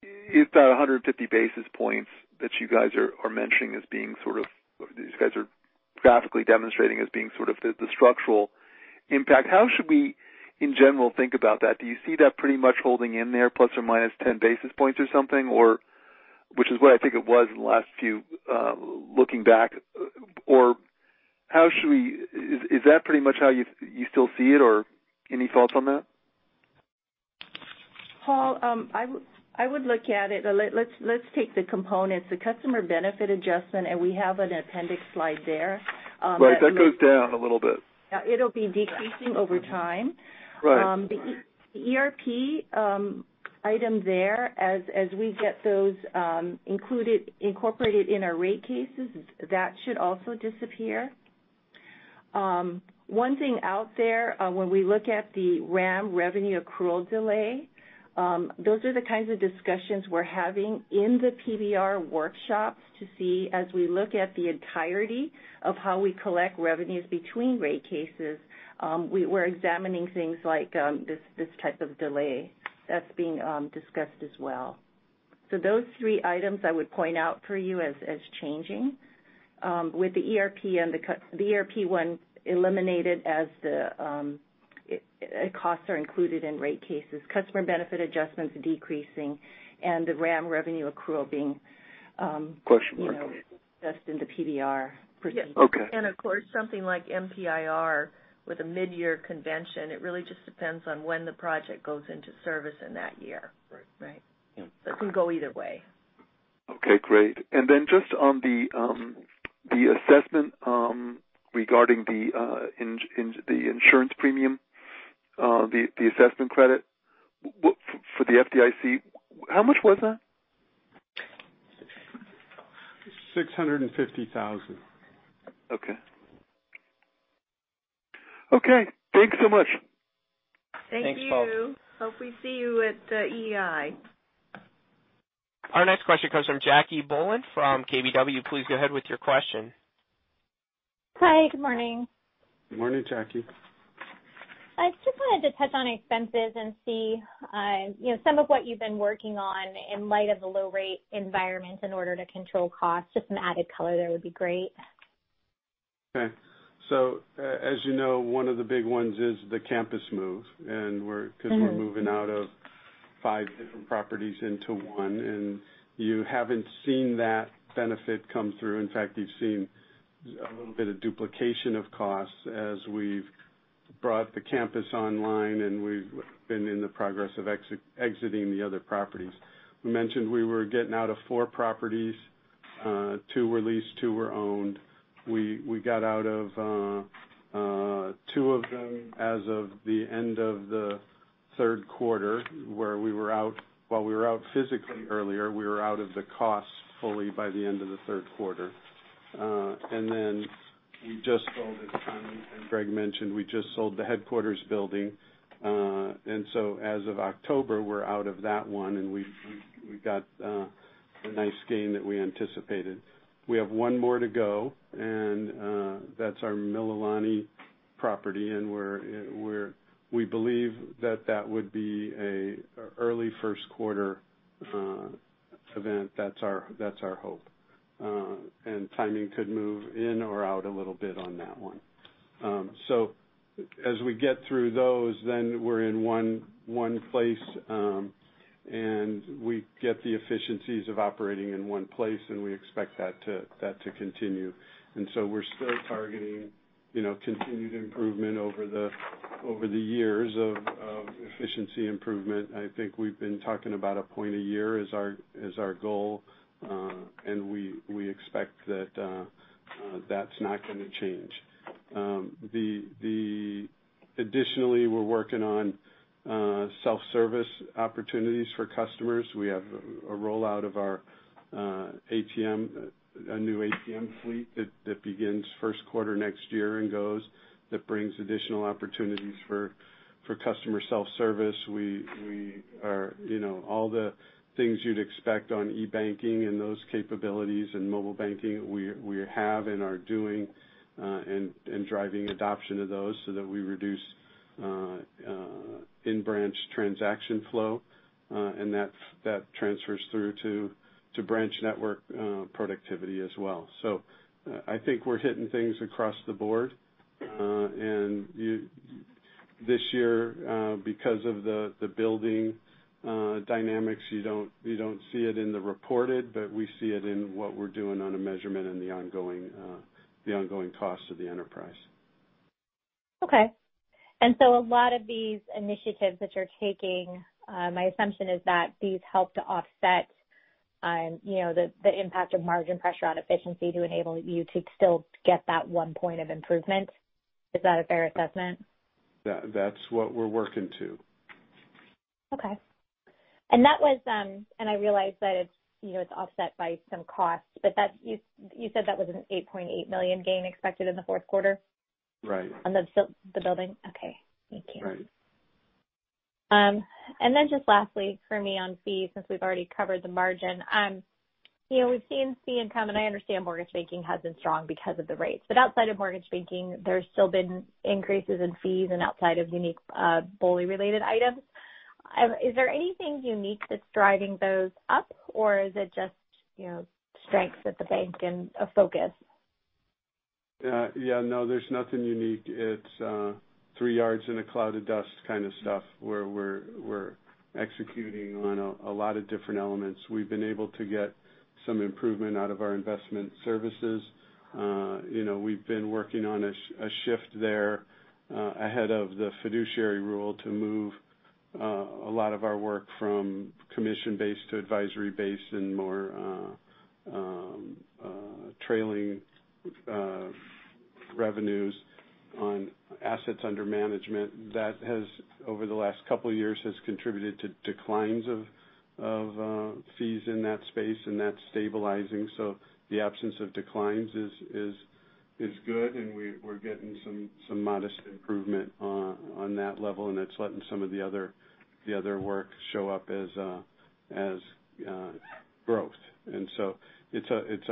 is that 150 basis points that you guys are mentioning, or you guys are graphically demonstrating as being the structural impact? How should we in general think about that? Do you see that pretty much holding in there plus or minus 10 basis points or something? Which is what I think it was looking back. Is that pretty much how you still see it or any thoughts on that? Paul, I would look at it. Let's take the components, the customer benefit adjustment, and we have an appendix slide there. Right. That goes down a little bit. Yeah. It'll be decreasing over time. Right. The ERP item there, as we get those incorporated in our rate cases, that should also disappear. One thing out there, when we look at the RAM revenue accrual delay, those are the kinds of discussions we're having in the PBR workshops to see as we look at the entirety of how we collect revenues between rate cases, we're examining things like this type of delay. That's being discussed as well. Those three items I would point out for you as changing. With the ERP one eliminated as the costs are included in rate cases. Customer benefit adjustments decreasing and the RAM revenue accrual being- Question mark. addressed in the PBR proceedings. Okay. Of course, something like MPIR with a mid-year convention. It really just depends on when the project goes into service in that year. Right. Right. Yeah. That can go either way. Okay, great. Just on the assessment regarding the insurance premium, the assessment credit for the FDIC, how much was that? 650,000. Okay. Okay, thanks so much. Thank you. Thanks, Paul. Hope we see you at the EEI. Our next question comes from Jacquelynne Bohlen from KBW. Please go ahead with your question. Hi, good morning. Good morning, Jackie. I just wanted to touch on expenses and see some of what you've been working on in light of the low rate environment in order to control costs. Just some added color there would be great. Okay. As you know, one of the big ones is the campus move because we're moving out of 5 different properties into 1, and you haven't seen that benefit come through. In fact, you've seen a little bit of duplication of costs as we've brought the campus online, and we've been in the progress of exiting the other properties. We mentioned we were getting out of 4 properties. 2 were leased, 2 were owned. We got out of 2 of them as of the end of the third quarter while we were out physically earlier, we were out of the costs fully by the end of the third quarter. As Connie and Greg mentioned, we just sold the headquarters building. As of October, we're out of that 1, and we got a nice gain that we anticipated. We have one more to go, that's our Mililani property, we believe that would be an early first quarter event. That's our hope. Timing could move in or out a little bit on that one. As we get through those, we're in one place, we get the efficiencies of operating in one place, we expect that to continue. We're still targeting continued improvement over the years of efficiency improvement. I think we've been talking about a point a year as our goal, we expect that's not going to change. Additionally, we're working on self-service opportunities for customers. We have a rollout of our new ATM fleet that begins first quarter next year and goes. That brings additional opportunities for customer self-service. All the things you'd expect on e-banking and those capabilities and mobile banking, we have and are doing, and driving adoption of those so that we reduce in-branch transaction flow. That transfers through to branch network productivity as well. I think we're hitting things across the board. This year, because of the building dynamics, you don't see it in the reported, but we see it in what we're doing on a measurement in the ongoing cost of the enterprise. Okay. A lot of these initiatives that you're taking, my assumption is that these help to offset the impact of margin pressure on efficiency to enable you to still get that one point of improvement. Is that a fair assessment? That's what we're working to. Okay. I realize that it's offset by some costs, but you said that was an $8.8 million gain expected in the fourth quarter? Right. On the building? Okay. Thank you. Right. Just lastly for me on fees, since we've already covered the margin. We've seen fee income, and I understand mortgage banking has been strong because of the rates. Outside of mortgage banking, there's still been increases in fees and outside of unique BOLI-related items. Is there anything unique that's driving those up or is it just strengths at the bank and a focus? Yeah. There's nothing unique. It's 3 yards and a cloud of dust kind of stuff, where we're executing on a lot of different elements. We've been able to get some improvement out of our investment services. We've been working on a shift there ahead of the fiduciary rule to move a lot of our work from commission-based to advisory-based and more trailing revenues on assets under management. That has, over the last couple of years, has contributed to declines of fees in that space. That's stabilizing. The absence of declines is good. We're getting some modest improvement on that level. It's letting some of the other work show up as growth. It's,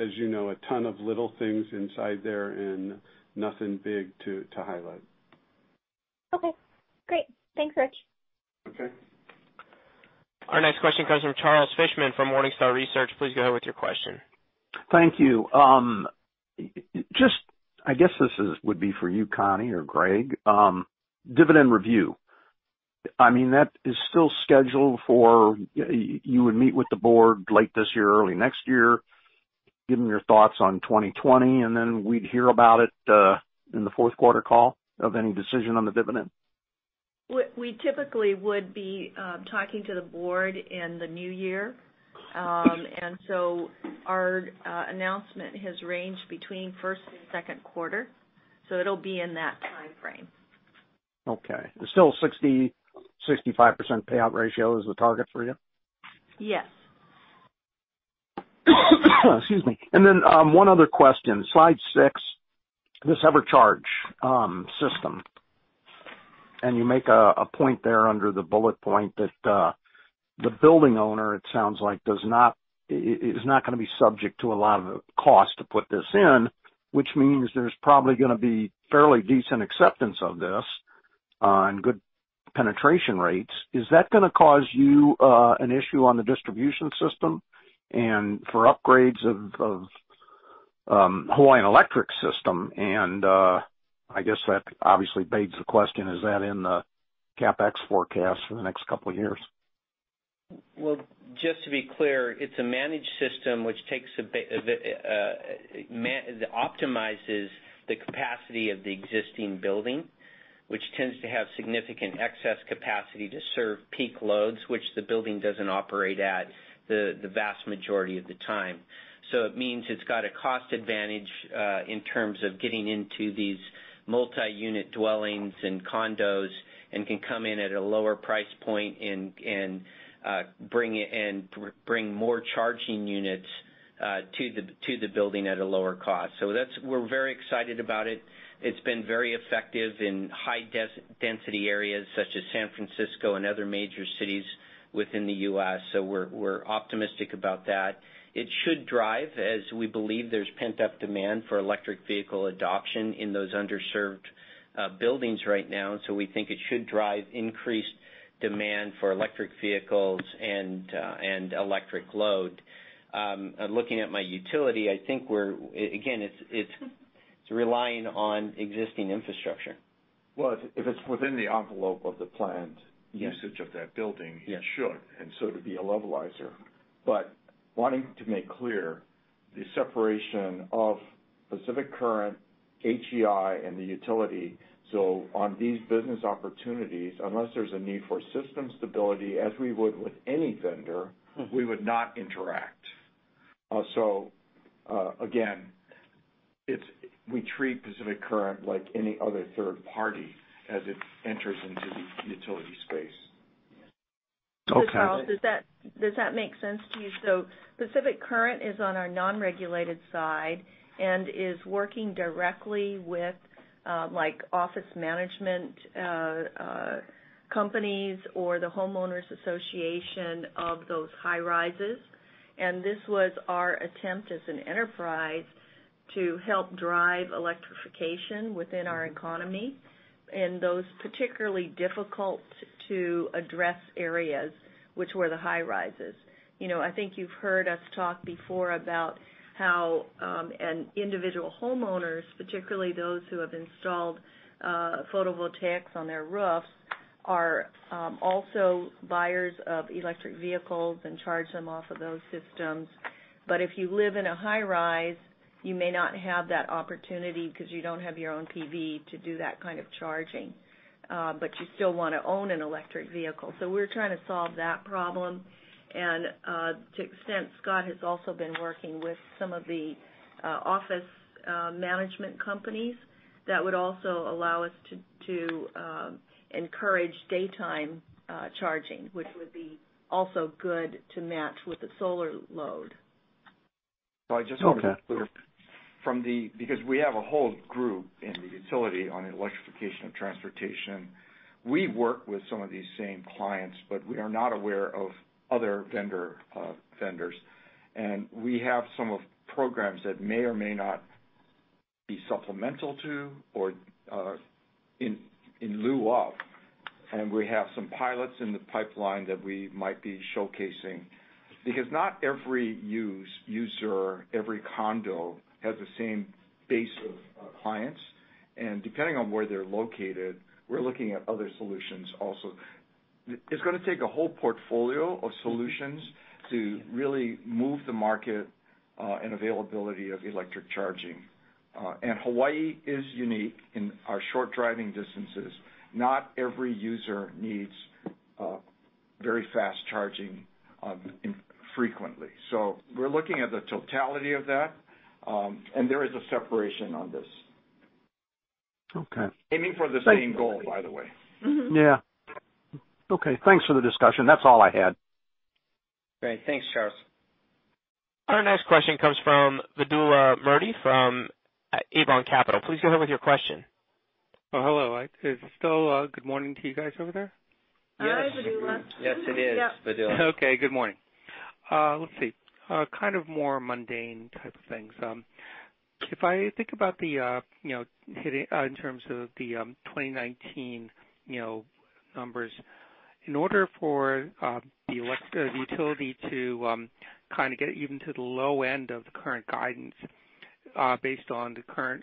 as you know, a ton of little things inside there. Nothing big to highlight. Okay, great. Thanks, Rich. Okay. Our next question comes from Charles Fishman from Morningstar. Please go ahead with your question. Thank you. I guess this would be for you, Connie or Greg. Dividend review. That is still scheduled for, you would meet with the board late this year, early next year, give them your thoughts on 2020, and then we'd hear about it in the fourth quarter call of any decision on the dividend? We typically would be talking to the board in the new year. Our announcement has ranged between first and second quarter. It'll be in that timeframe. Okay. It's still 65% payout ratio is the target for you? Yes. Excuse me. One other question. Slide six, this EverCharge system. You make a point there under the bullet point that the building owner, it sounds like is not going to be subject to a lot of the cost to put this in, which means there's probably going to be fairly decent acceptance of this and good penetration rates. Is that going to cause you an issue on the distribution system and for upgrades of Hawaiian Electric system? I guess that obviously begs the question, is that in the CapEx forecast for the next couple of years? Well, just to be clear, it's a managed system which optimizes the capacity of the existing building, which tends to have significant excess capacity to serve peak loads, which the building doesn't operate at the vast majority of the time. It means it's got a cost advantage in terms of getting into these multi-unit dwellings and condos and can come in at a lower price point and bring more charging units to the building at a lower cost. We're very excited about it. It's been very effective in high-density areas such as San Francisco and other major cities within the U.S., we're optimistic about that. It should drive as we believe there's pent-up demand for electric vehicle adoption in those underserved buildings right now, we think it should drive increased demand for electric vehicles and electric load. Looking at my utility, I think again, it's relying on existing infrastructure. Well, if it's within the envelope of the planned usage of that building. Yes It should. It would be a levelizer. Wanting to make clear the separation of Pacific Current, HEI, and the utility. On these business opportunities, unless there's a need for system stability, as we would with any vendor. we would not interact. Again, we treat Pacific Current like any other third party as it enters into the utility space. Yes. Okay. Charles, does that make sense to you? Pacific Current is on our non-regulated side and is working directly with office management companies or the homeowners association of those high-rises. This was our attempt as an enterprise to help drive electrification within our economy in those particularly difficult-to-address areas, which were the high-rises. I think you've heard us talk before about how individual homeowners, particularly those who have installed photovoltaics on their roofs, are also buyers of electric vehicles and charge them off of those systems. If you live in a high-rise, you may not have that opportunity because you don't have your own PV to do that kind of charging. You still want to own an electric vehicle. We're trying to solve that problem. To an extent, Scott has also been working with some of the office management companies that would also allow us to encourage daytime charging, which would be also good to match with the solar load. I just want to be clear. Because we have a whole group in the utility on the electrification of transportation. We work with some of these same clients, but we are not aware of other vendors. We have some programs that may or may not be supplemental to or in lieu of, and we have some pilots in the pipeline that we might be showcasing. Because not every user, every condo, has the same base of clients. Depending on where they're located, we're looking at other solutions also. It's going to take a whole portfolio of solutions to really move the market and availability of electric charging. Hawaii is unique in our short driving distances. Not every user needs very fast charging frequently. We're looking at the totality of that, and there is a separation on this. Okay. Aiming for the same goal, by the way. Yeah. Okay. Thanks for the discussion. That's all I had. Great. Thanks, Charles. Our next question comes from Vidula Mody from Abron Capital. Please go ahead with your question. Oh, hello. Is it still good morning to you guys over there? Yes. Yes, it is, Vidula. Okay. Good morning. Let's see. Kind of more mundane type of things. If I think about in terms of the 2019 numbers, in order for the utility to get even to the low end of the current guidance based on the current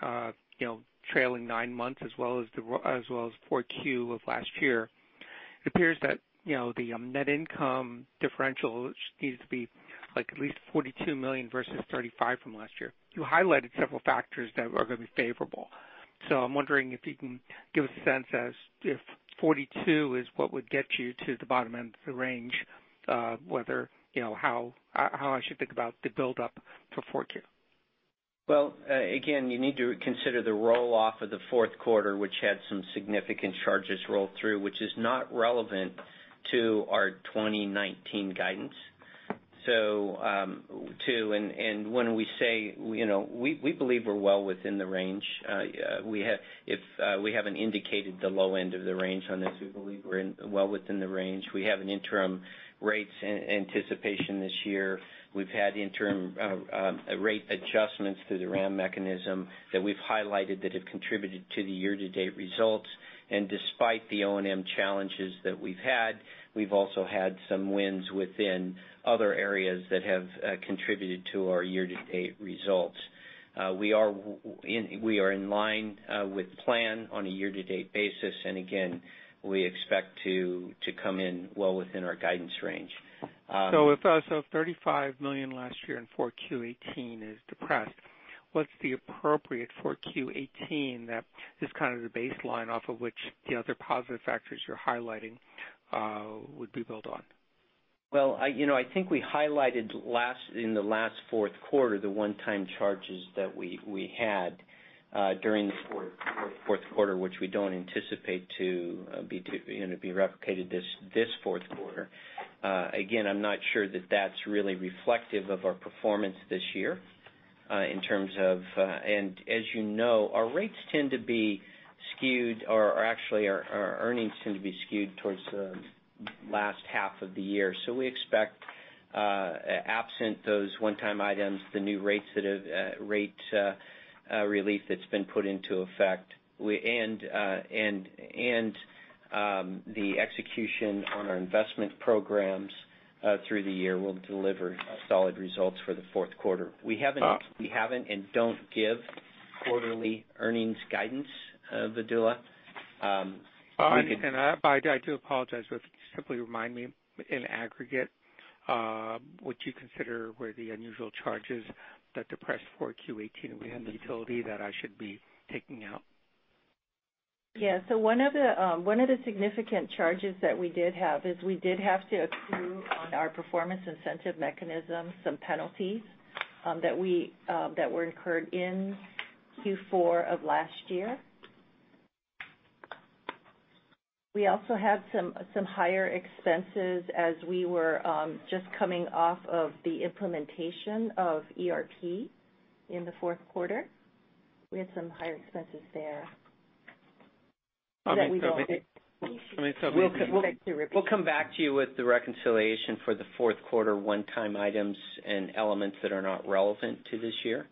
trailing nine months as well as 4Q of last year, it appears that the net income differential needs to be at least $42 million versus $35 million from last year. You highlighted several factors that are going to be favorable. I'm wondering if you can give a sense as if $42 million is what would get you to the bottom end of the range, how I should think about the buildup for 4Q. Well, again, you need to consider the roll-off of the fourth quarter, which had some significant charges roll through, which is not relevant to our 2019 guidance. When we say we believe we're well within the range, if we haven't indicated the low end of the range on this, we believe we're in well within the range. We have an interim rates anticipation this year. We've had interim rate adjustments through the RAM mechanism that we've highlighted that have contributed to the year-to-date results. Despite the O&M challenges that we've had, we've also had some wins within other areas that have contributed to our year-to-date results. We are in line with plan on a year-to-date basis. Again, we expect to come in well within our guidance range. If $35 million last year and 4Q18 is depressed, what's the appropriate 4Q18 that is kind of the baseline off of which the other positive factors you're highlighting would be built on? I think we highlighted in the last fourth quarter, the one-time charges that we had during the fourth quarter, which we don't anticipate to be replicated this fourth quarter. I'm not sure that that's really reflective of our performance this year. As you know, our rates tend to be skewed, or actually our earnings tend to be skewed towards the last half of the year. We expect, absent those one-time items, the new rate relief that's been put into effect, and the execution on our investment programs through the year will deliver solid results for the fourth quarter. We haven't and don't give quarterly earnings guidance, Vidula. I do apologize, but simply remind me in aggregate what you consider were the unusual charges that depressed 4Q18 within the utility that I should be taking out? Yeah. One of the significant charges that we did have is we did have to accrue on our Performance Incentive Mechanism, some penalties that were incurred in Q4 of last year. We also had some higher expenses as we were just coming off of the implementation of ERP in the fourth quarter. We had some higher expenses there. We'll come back to you with the reconciliation for the fourth quarter one-time items and elements that are not relevant to this year,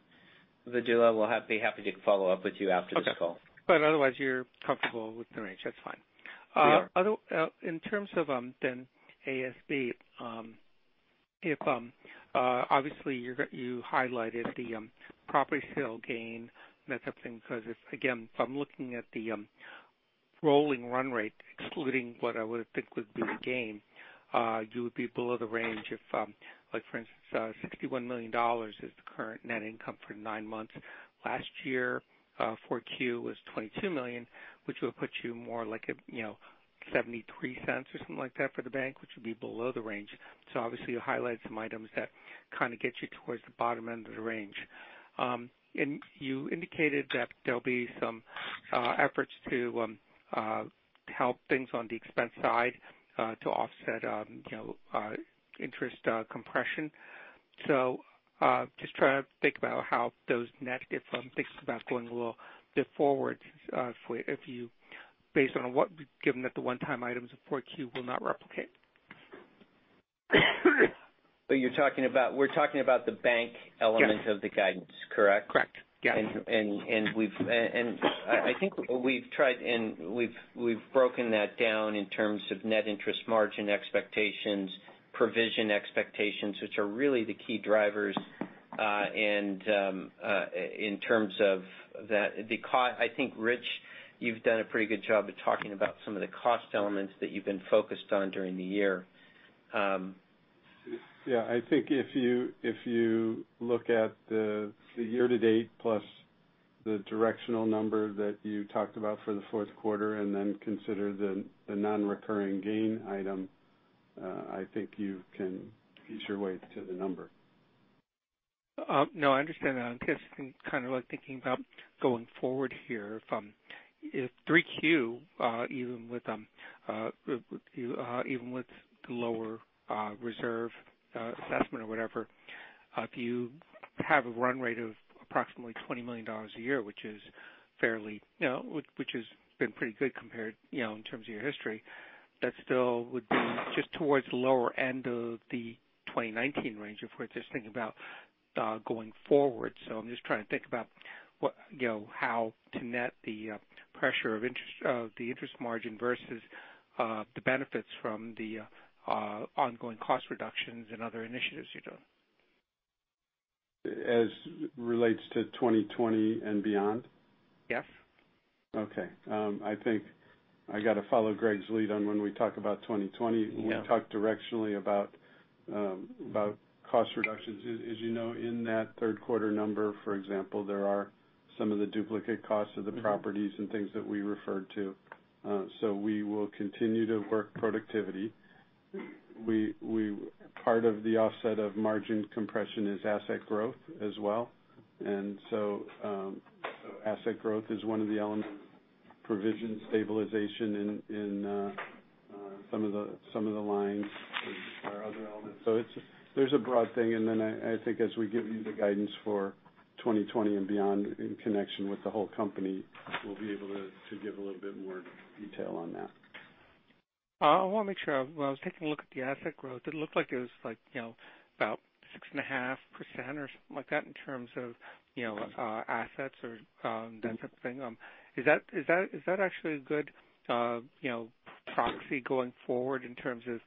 Vidula. We'll be happy to follow up with you after this call. Okay. Otherwise, you're comfortable with the range. That's fine. We are. In terms of ASB, obviously you highlighted the property sale gain and that type of thing, because if, again, if I'm looking at the rolling run rate, excluding what I would think would be the gain, you would be below the range of, for instance, $61 million is the current net income for nine months. Last year, 4Q was $22 million, which would put you more like $0.73 or something like that for the bank, which would be below the range. You indicated that there'll be some efforts to help things on the expense side to offset interest compression. Just trying to think about how those net, if I'm thinking about going a little bit forward, based on what, given that the one-time items in 4Q will not replicate. We're talking about the bank element. Yes of the guidance, correct? Correct. Yes. I think we've tried and we've broken that down in terms of net interest margin expectations, provision expectations, which are really the key drivers. I think, Rich, you've done a pretty good job of talking about some of the cost elements that you've been focused on during the year. Yeah, I think if you look at the year to date, plus the directional number that you talked about for the fourth quarter, and then consider the non-recurring gain item, I think you can ease your way to the number. No, I understand that. I'm guessing kind of like thinking about going forward here. If 3Q, even with the lower reserve assessment or whatever, if you have a run rate of approximately $20 million a year, which has been pretty good compared in terms of your history, that still would be just towards the lower end of the 2019 range. If we're just thinking about going forward. I'm just trying to think about how to net the pressure of the interest margin versus the benefits from the ongoing cost reductions and other initiatives you're doing. As relates to 2020 and beyond? Yes. Okay. I think I got to follow Greg's lead on when we talk about 2020. Yeah. When we talk directionally about cost reductions. As you know, in that third quarter number, for example, there are some of the duplicate costs of the properties and things that we referred to. We will continue to work productivity. Part of the offset of margin compression is asset growth as well. Asset growth is one of the elements, provision stabilization in some of the lines are other elements. There's a broad thing, and then I think as we give you the guidance for 2020 and beyond in connection with the whole company, we'll be able to give a little bit more detail on that. I want to make sure. When I was taking a look at the asset growth, it looked like it was about 6.5% or something like that in terms of assets or that type of thing. Is that actually a good proxy going forward in terms of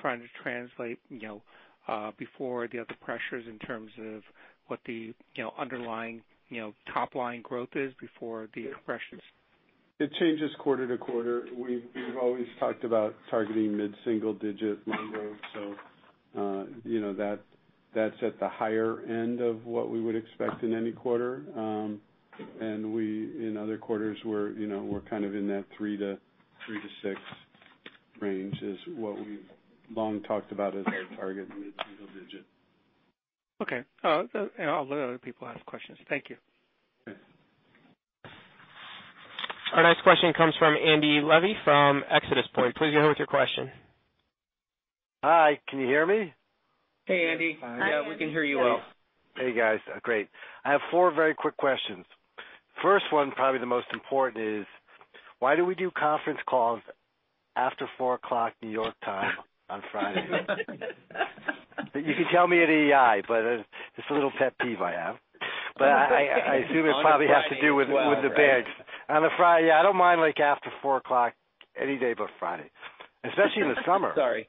trying to translate before the other pressures in terms of what the underlying top-line growth is before the implications? It changes quarter to quarter. We've always talked about targeting mid-single-digit loan growth, so that's at the higher end of what we would expect in any quarter. In other quarters we're kind of in that three to six range is what we've long talked about as our target, mid-single digit. Okay. I'll let other people ask questions. Thank you. Okay. Our next question comes from Andy Levy from ExodusPoint. Please go ahead with your question. Hi, can you hear me? Hey, Andy. Hi, Andy. Yeah, we can hear you well. Hey, guys. Great. I have four very quick questions. First one, probably the most important, is why do we do conference calls after 4:00 New York time on Friday? You can tell me at EEI, it's a little pet peeve I have. I assume it probably has to do with the banks. On a Friday, I don't mind after 4:00 any day but Friday, especially in the summer. Sorry.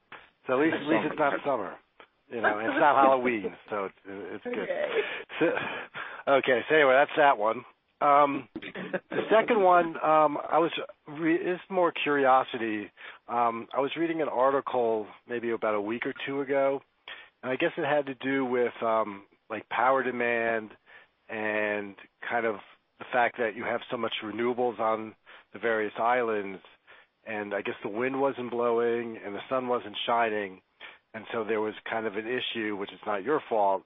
At least it's not summer. It's not Halloween, so it's good. Yay. Okay. Anyway, that's that one. The second one, it's more curiosity. I was reading an article maybe about a week or two ago. I guess it had to do with power demand and kind of the fact that you have so much renewables on the various islands. I guess the wind wasn't blowing, and the sun wasn't shining. There was kind of an issue, which is not your fault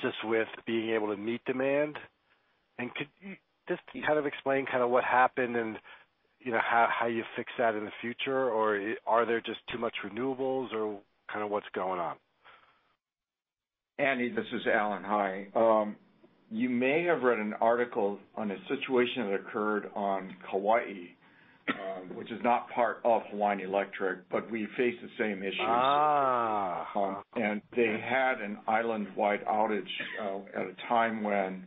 just with being able to meet demand. Could you just kind of explain what happened and how you fix that in the future? Are there just too much renewables or kind of what's going on? Andy, this is Alan. Hi. You may have read an article on a situation that occurred on Hawaii, which is not part of Hawaiian Electric, but we face the same issues. Okay. They had an island-wide outage at a time when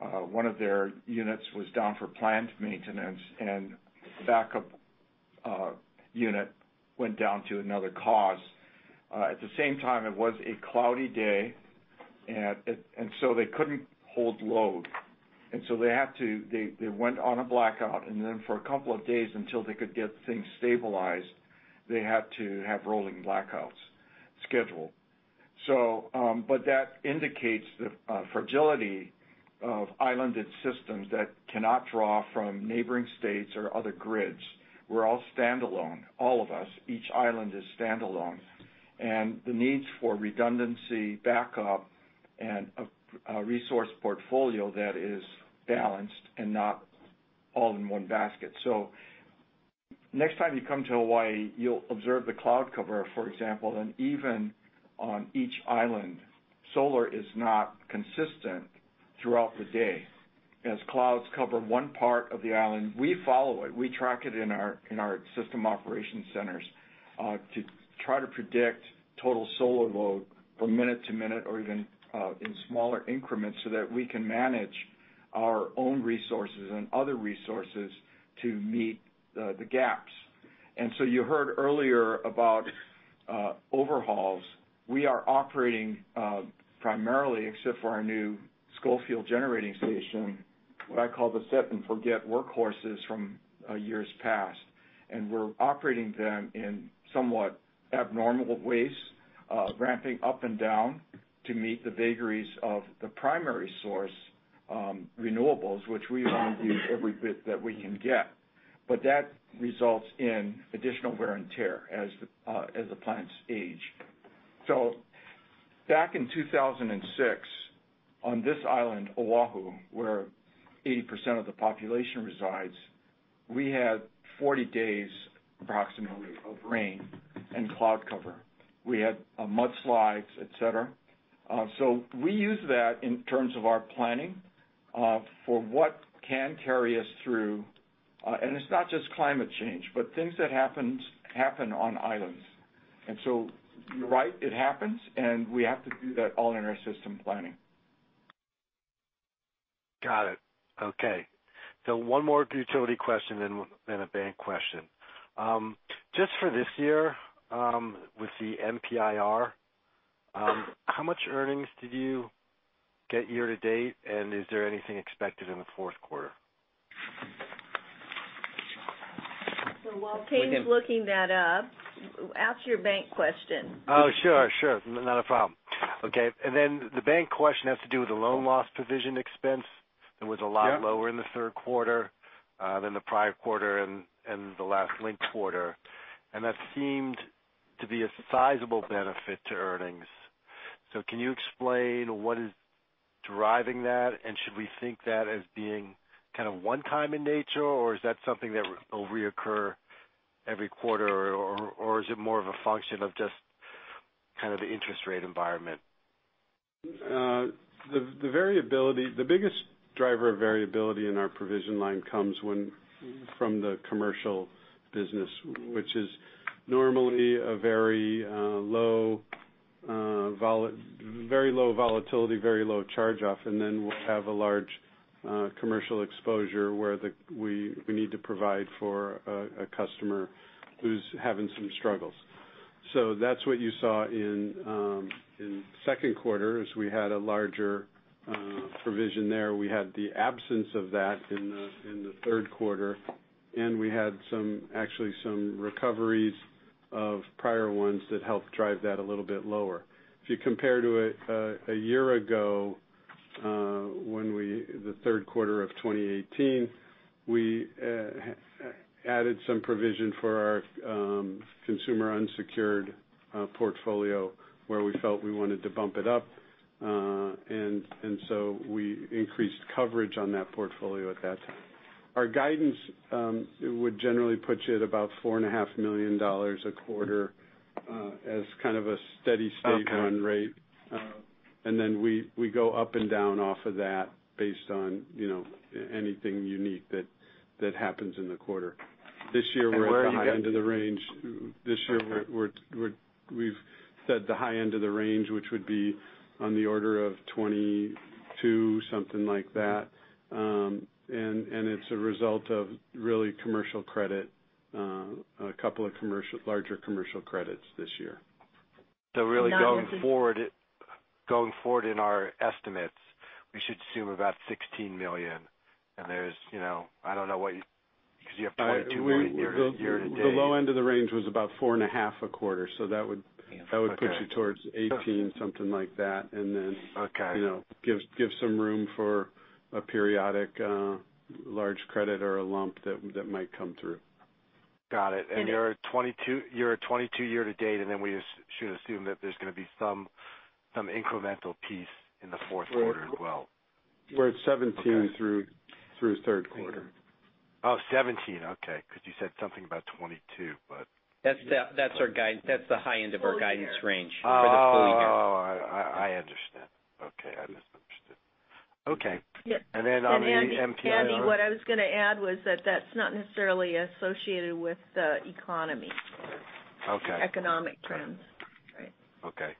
one of their units was down for planned maintenance, and backup unit went down to another cause. At the same time, it was a cloudy day, they couldn't hold load. They went on a blackout, for a couple of days until they could get things stabilized, they had to have rolling blackouts scheduled. That indicates the fragility of islanded systems that cannot draw from neighboring states or other grids. We're all standalone, all of us, each island is standalone. The needs for redundancy, backup, and a resource portfolio that is balanced and not all in one basket. Next time you come to Hawaii, you'll observe the cloud cover, for example, and even on each island, solar is not consistent throughout the day. As clouds cover one part of the island, we follow it, we track it in our system operation centers, to try to predict total solar load from minute to minute or even in smaller increments, so that we can manage our own resources and other resources to meet the gaps. You heard earlier about overhauls. We are operating primarily, except for our new Schofield Generating Station, what I call the set and forget workhorses from years past. We're operating them in somewhat abnormal ways, ramping up and down to meet the vagaries of the primary source, renewables, which we only use every bit that we can get. That results in additional wear and tear as the plants age. Back in 2006, on this island, Oahu, where 80% of the population resides, we had 40 days, approximately, of rain and cloud cover. We had mudslides, et cetera. We use that in terms of our planning, for what can carry us through. It's not just climate change, but things that happen on islands. You're right, it happens, and we have to do that all in our system planning. Got it. Okay. One more utility question then a bank question. Just for this year, with the MPIR, how much earnings did you get year to date, and is there anything expected in the fourth quarter? While Tayne looking that up, ask your bank question. Oh, sure. Not a problem. Okay. Then the bank question has to do with the loan loss provision expense. It was a lot. Yeah lower in the third quarter than the prior quarter and the last linked quarter, that seemed to be a sizable benefit to earnings. Can you explain what is driving that? Should we think that as being one-time in nature, or is that something that will reoccur every quarter, or is it more of a function of just the interest rate environment? The biggest driver of variability in our provision line comes from the commercial business, which is normally a very low volatility, very low charge-off. We'll have a large commercial exposure where we need to provide for a customer who's having some struggles. That's what you saw in second quarter, is we had a larger provision there. We had the absence of that in the third quarter, and we had actually some recoveries of prior ones that helped drive that a little bit lower. If you compare to a year ago, the third quarter of 2018, we added some provision for our consumer unsecured portfolio where we felt we wanted to bump it up. We increased coverage on that portfolio at that time. Our guidance would generally put you at about $4.5 million a quarter as kind of a steady state run rate. Okay. Then we go up and down off of that based on anything unique that happens in the quarter. This year, we're at the high end of the range. This year, we've said the high end of the range, which would be on the order of 22, something like that. It's a result of really commercial credit, a couple of larger commercial credits this year. Really going forward in our estimates, we should assume about $16 million. You have $22 million year to date. The low end of the range was about $4.50 a quarter. Okay put you towards 18, something like that. Okay give some room for a periodic large credit or a lump that might come through. Got it. You're at 22 year to date, and then we should assume that there's going to be some incremental piece in the fourth quarter as well. We're at 17 through third quarter. Oh, 17. Okay. You said something about 22, but. That's the high end of our guidance range. Oh. For the full year. I understand. Okay. I misunderstood. Okay. Yeah. And then on the MPIR- Andy, what I was going to add was that that's not necessarily associated with the economy. Okay. Economic trends. Okay.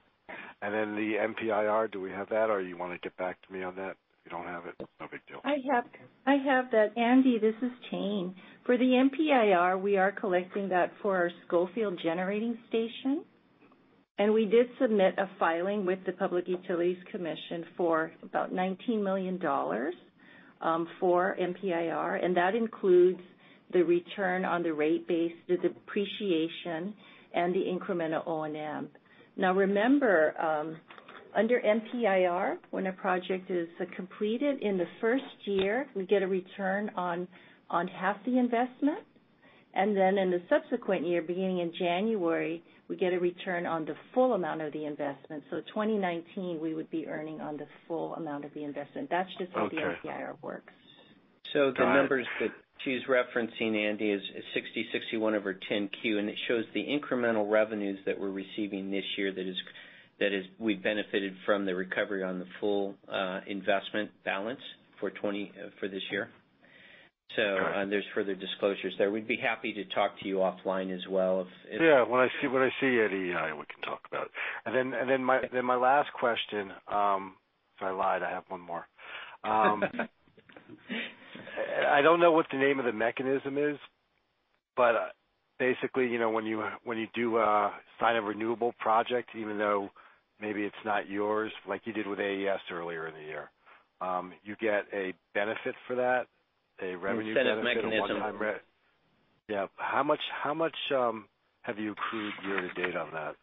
Then the MPIR, do we have that, or you want to get back to me on that? You don't have it? No big deal. I have that. Andy, this is Shelee. For the MPIR, we are collecting that for our Schofield Generating Station. We did submit a filing with the Public Utilities Commission for about $19 million for MPIR, and that includes the return on the rate base, the depreciation, and the incremental O&M. Remember, under MPIR, when a project is completed in the first year, we get a return on half the investment. Then in the subsequent year, beginning in January, we get a return on the full amount of the investment. 2019, we would be earning on the full amount of the investment. Okay the MPIR works. The numbers that she's referencing, Andy, is 60, 61 of her 10-Q, and it shows the incremental revenues that we're receiving this year that we benefited from the recovery on the full investment balance for this year. Got it. There's further disclosures there. We'd be happy to talk to you offline as well. Yeah. When I see Eddie, we can talk about it. My last question. I lied, I have one more. I don't know what the name of the mechanism is, but basically, when you do sign a renewable project, even though maybe it's not yours, like you did with AES earlier in the year, you get a benefit for that, a revenue benefit. Incentive mechanism a one-time Yeah. How much have you accrued year to date on that?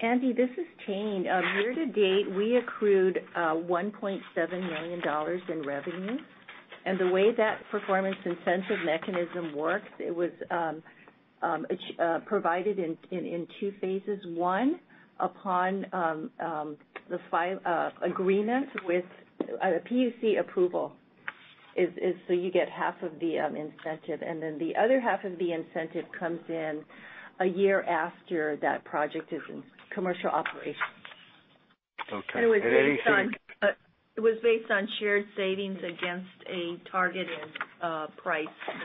Andy, this is Tayne. Year to date, we accrued $1.7 million in revenue. The way that performance incentive mechanism works, it was provided in 2 phases. One, upon the sign of agreement with a PUC approval, is so you get half of the incentive, and then the other half of the incentive comes in a year after that project is in commercial operation. Okay. It was based on shared savings against a targeted price. For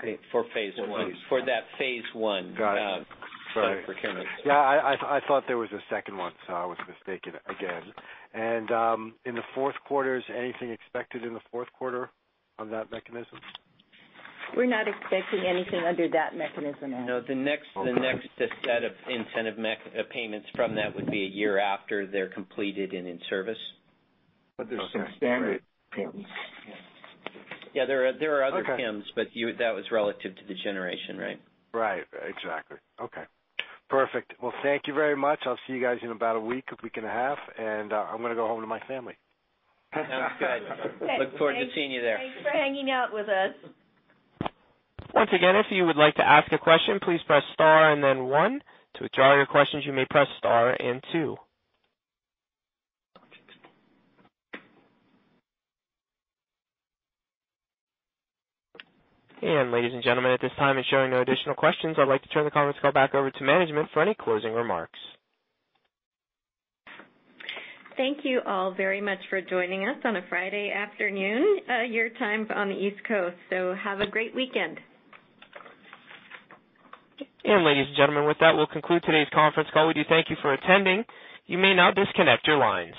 phase I. For phase I. For that phase I. Got it. Sorry for Keahole. Yeah, I thought there was a second one, so I was mistaken again. In the fourth quarter, is anything expected in the fourth quarter on that mechanism? We're not expecting anything under that mechanism, Andy. Okay. The next set of incentive payments from that would be a year after they're completed and in service. Okay, great. There's some standard PIMs. Yeah. There are other PIMs. Okay. That was relative to the generation, right? Right. Exactly. Okay. Perfect. Well, thank you very much. I'll see you guys in about a week, a week and a half, and I'm going to go home to my family. Sounds good. Okay, thanks. Look forward to seeing you there. Thanks for hanging out with us. Once again, if you would like to ask a question, please press star and then one. To withdraw your questions, you may press star and two. Ladies and gentlemen, at this time, it's showing no additional questions. I'd like to turn the conference call back over to management for any closing remarks. Thank you all very much for joining us on a Friday afternoon, your time on the East Coast. Have a great weekend. Ladies and gentlemen, with that, we'll conclude today's conference call. We do thank you for attending. You may now disconnect your lines.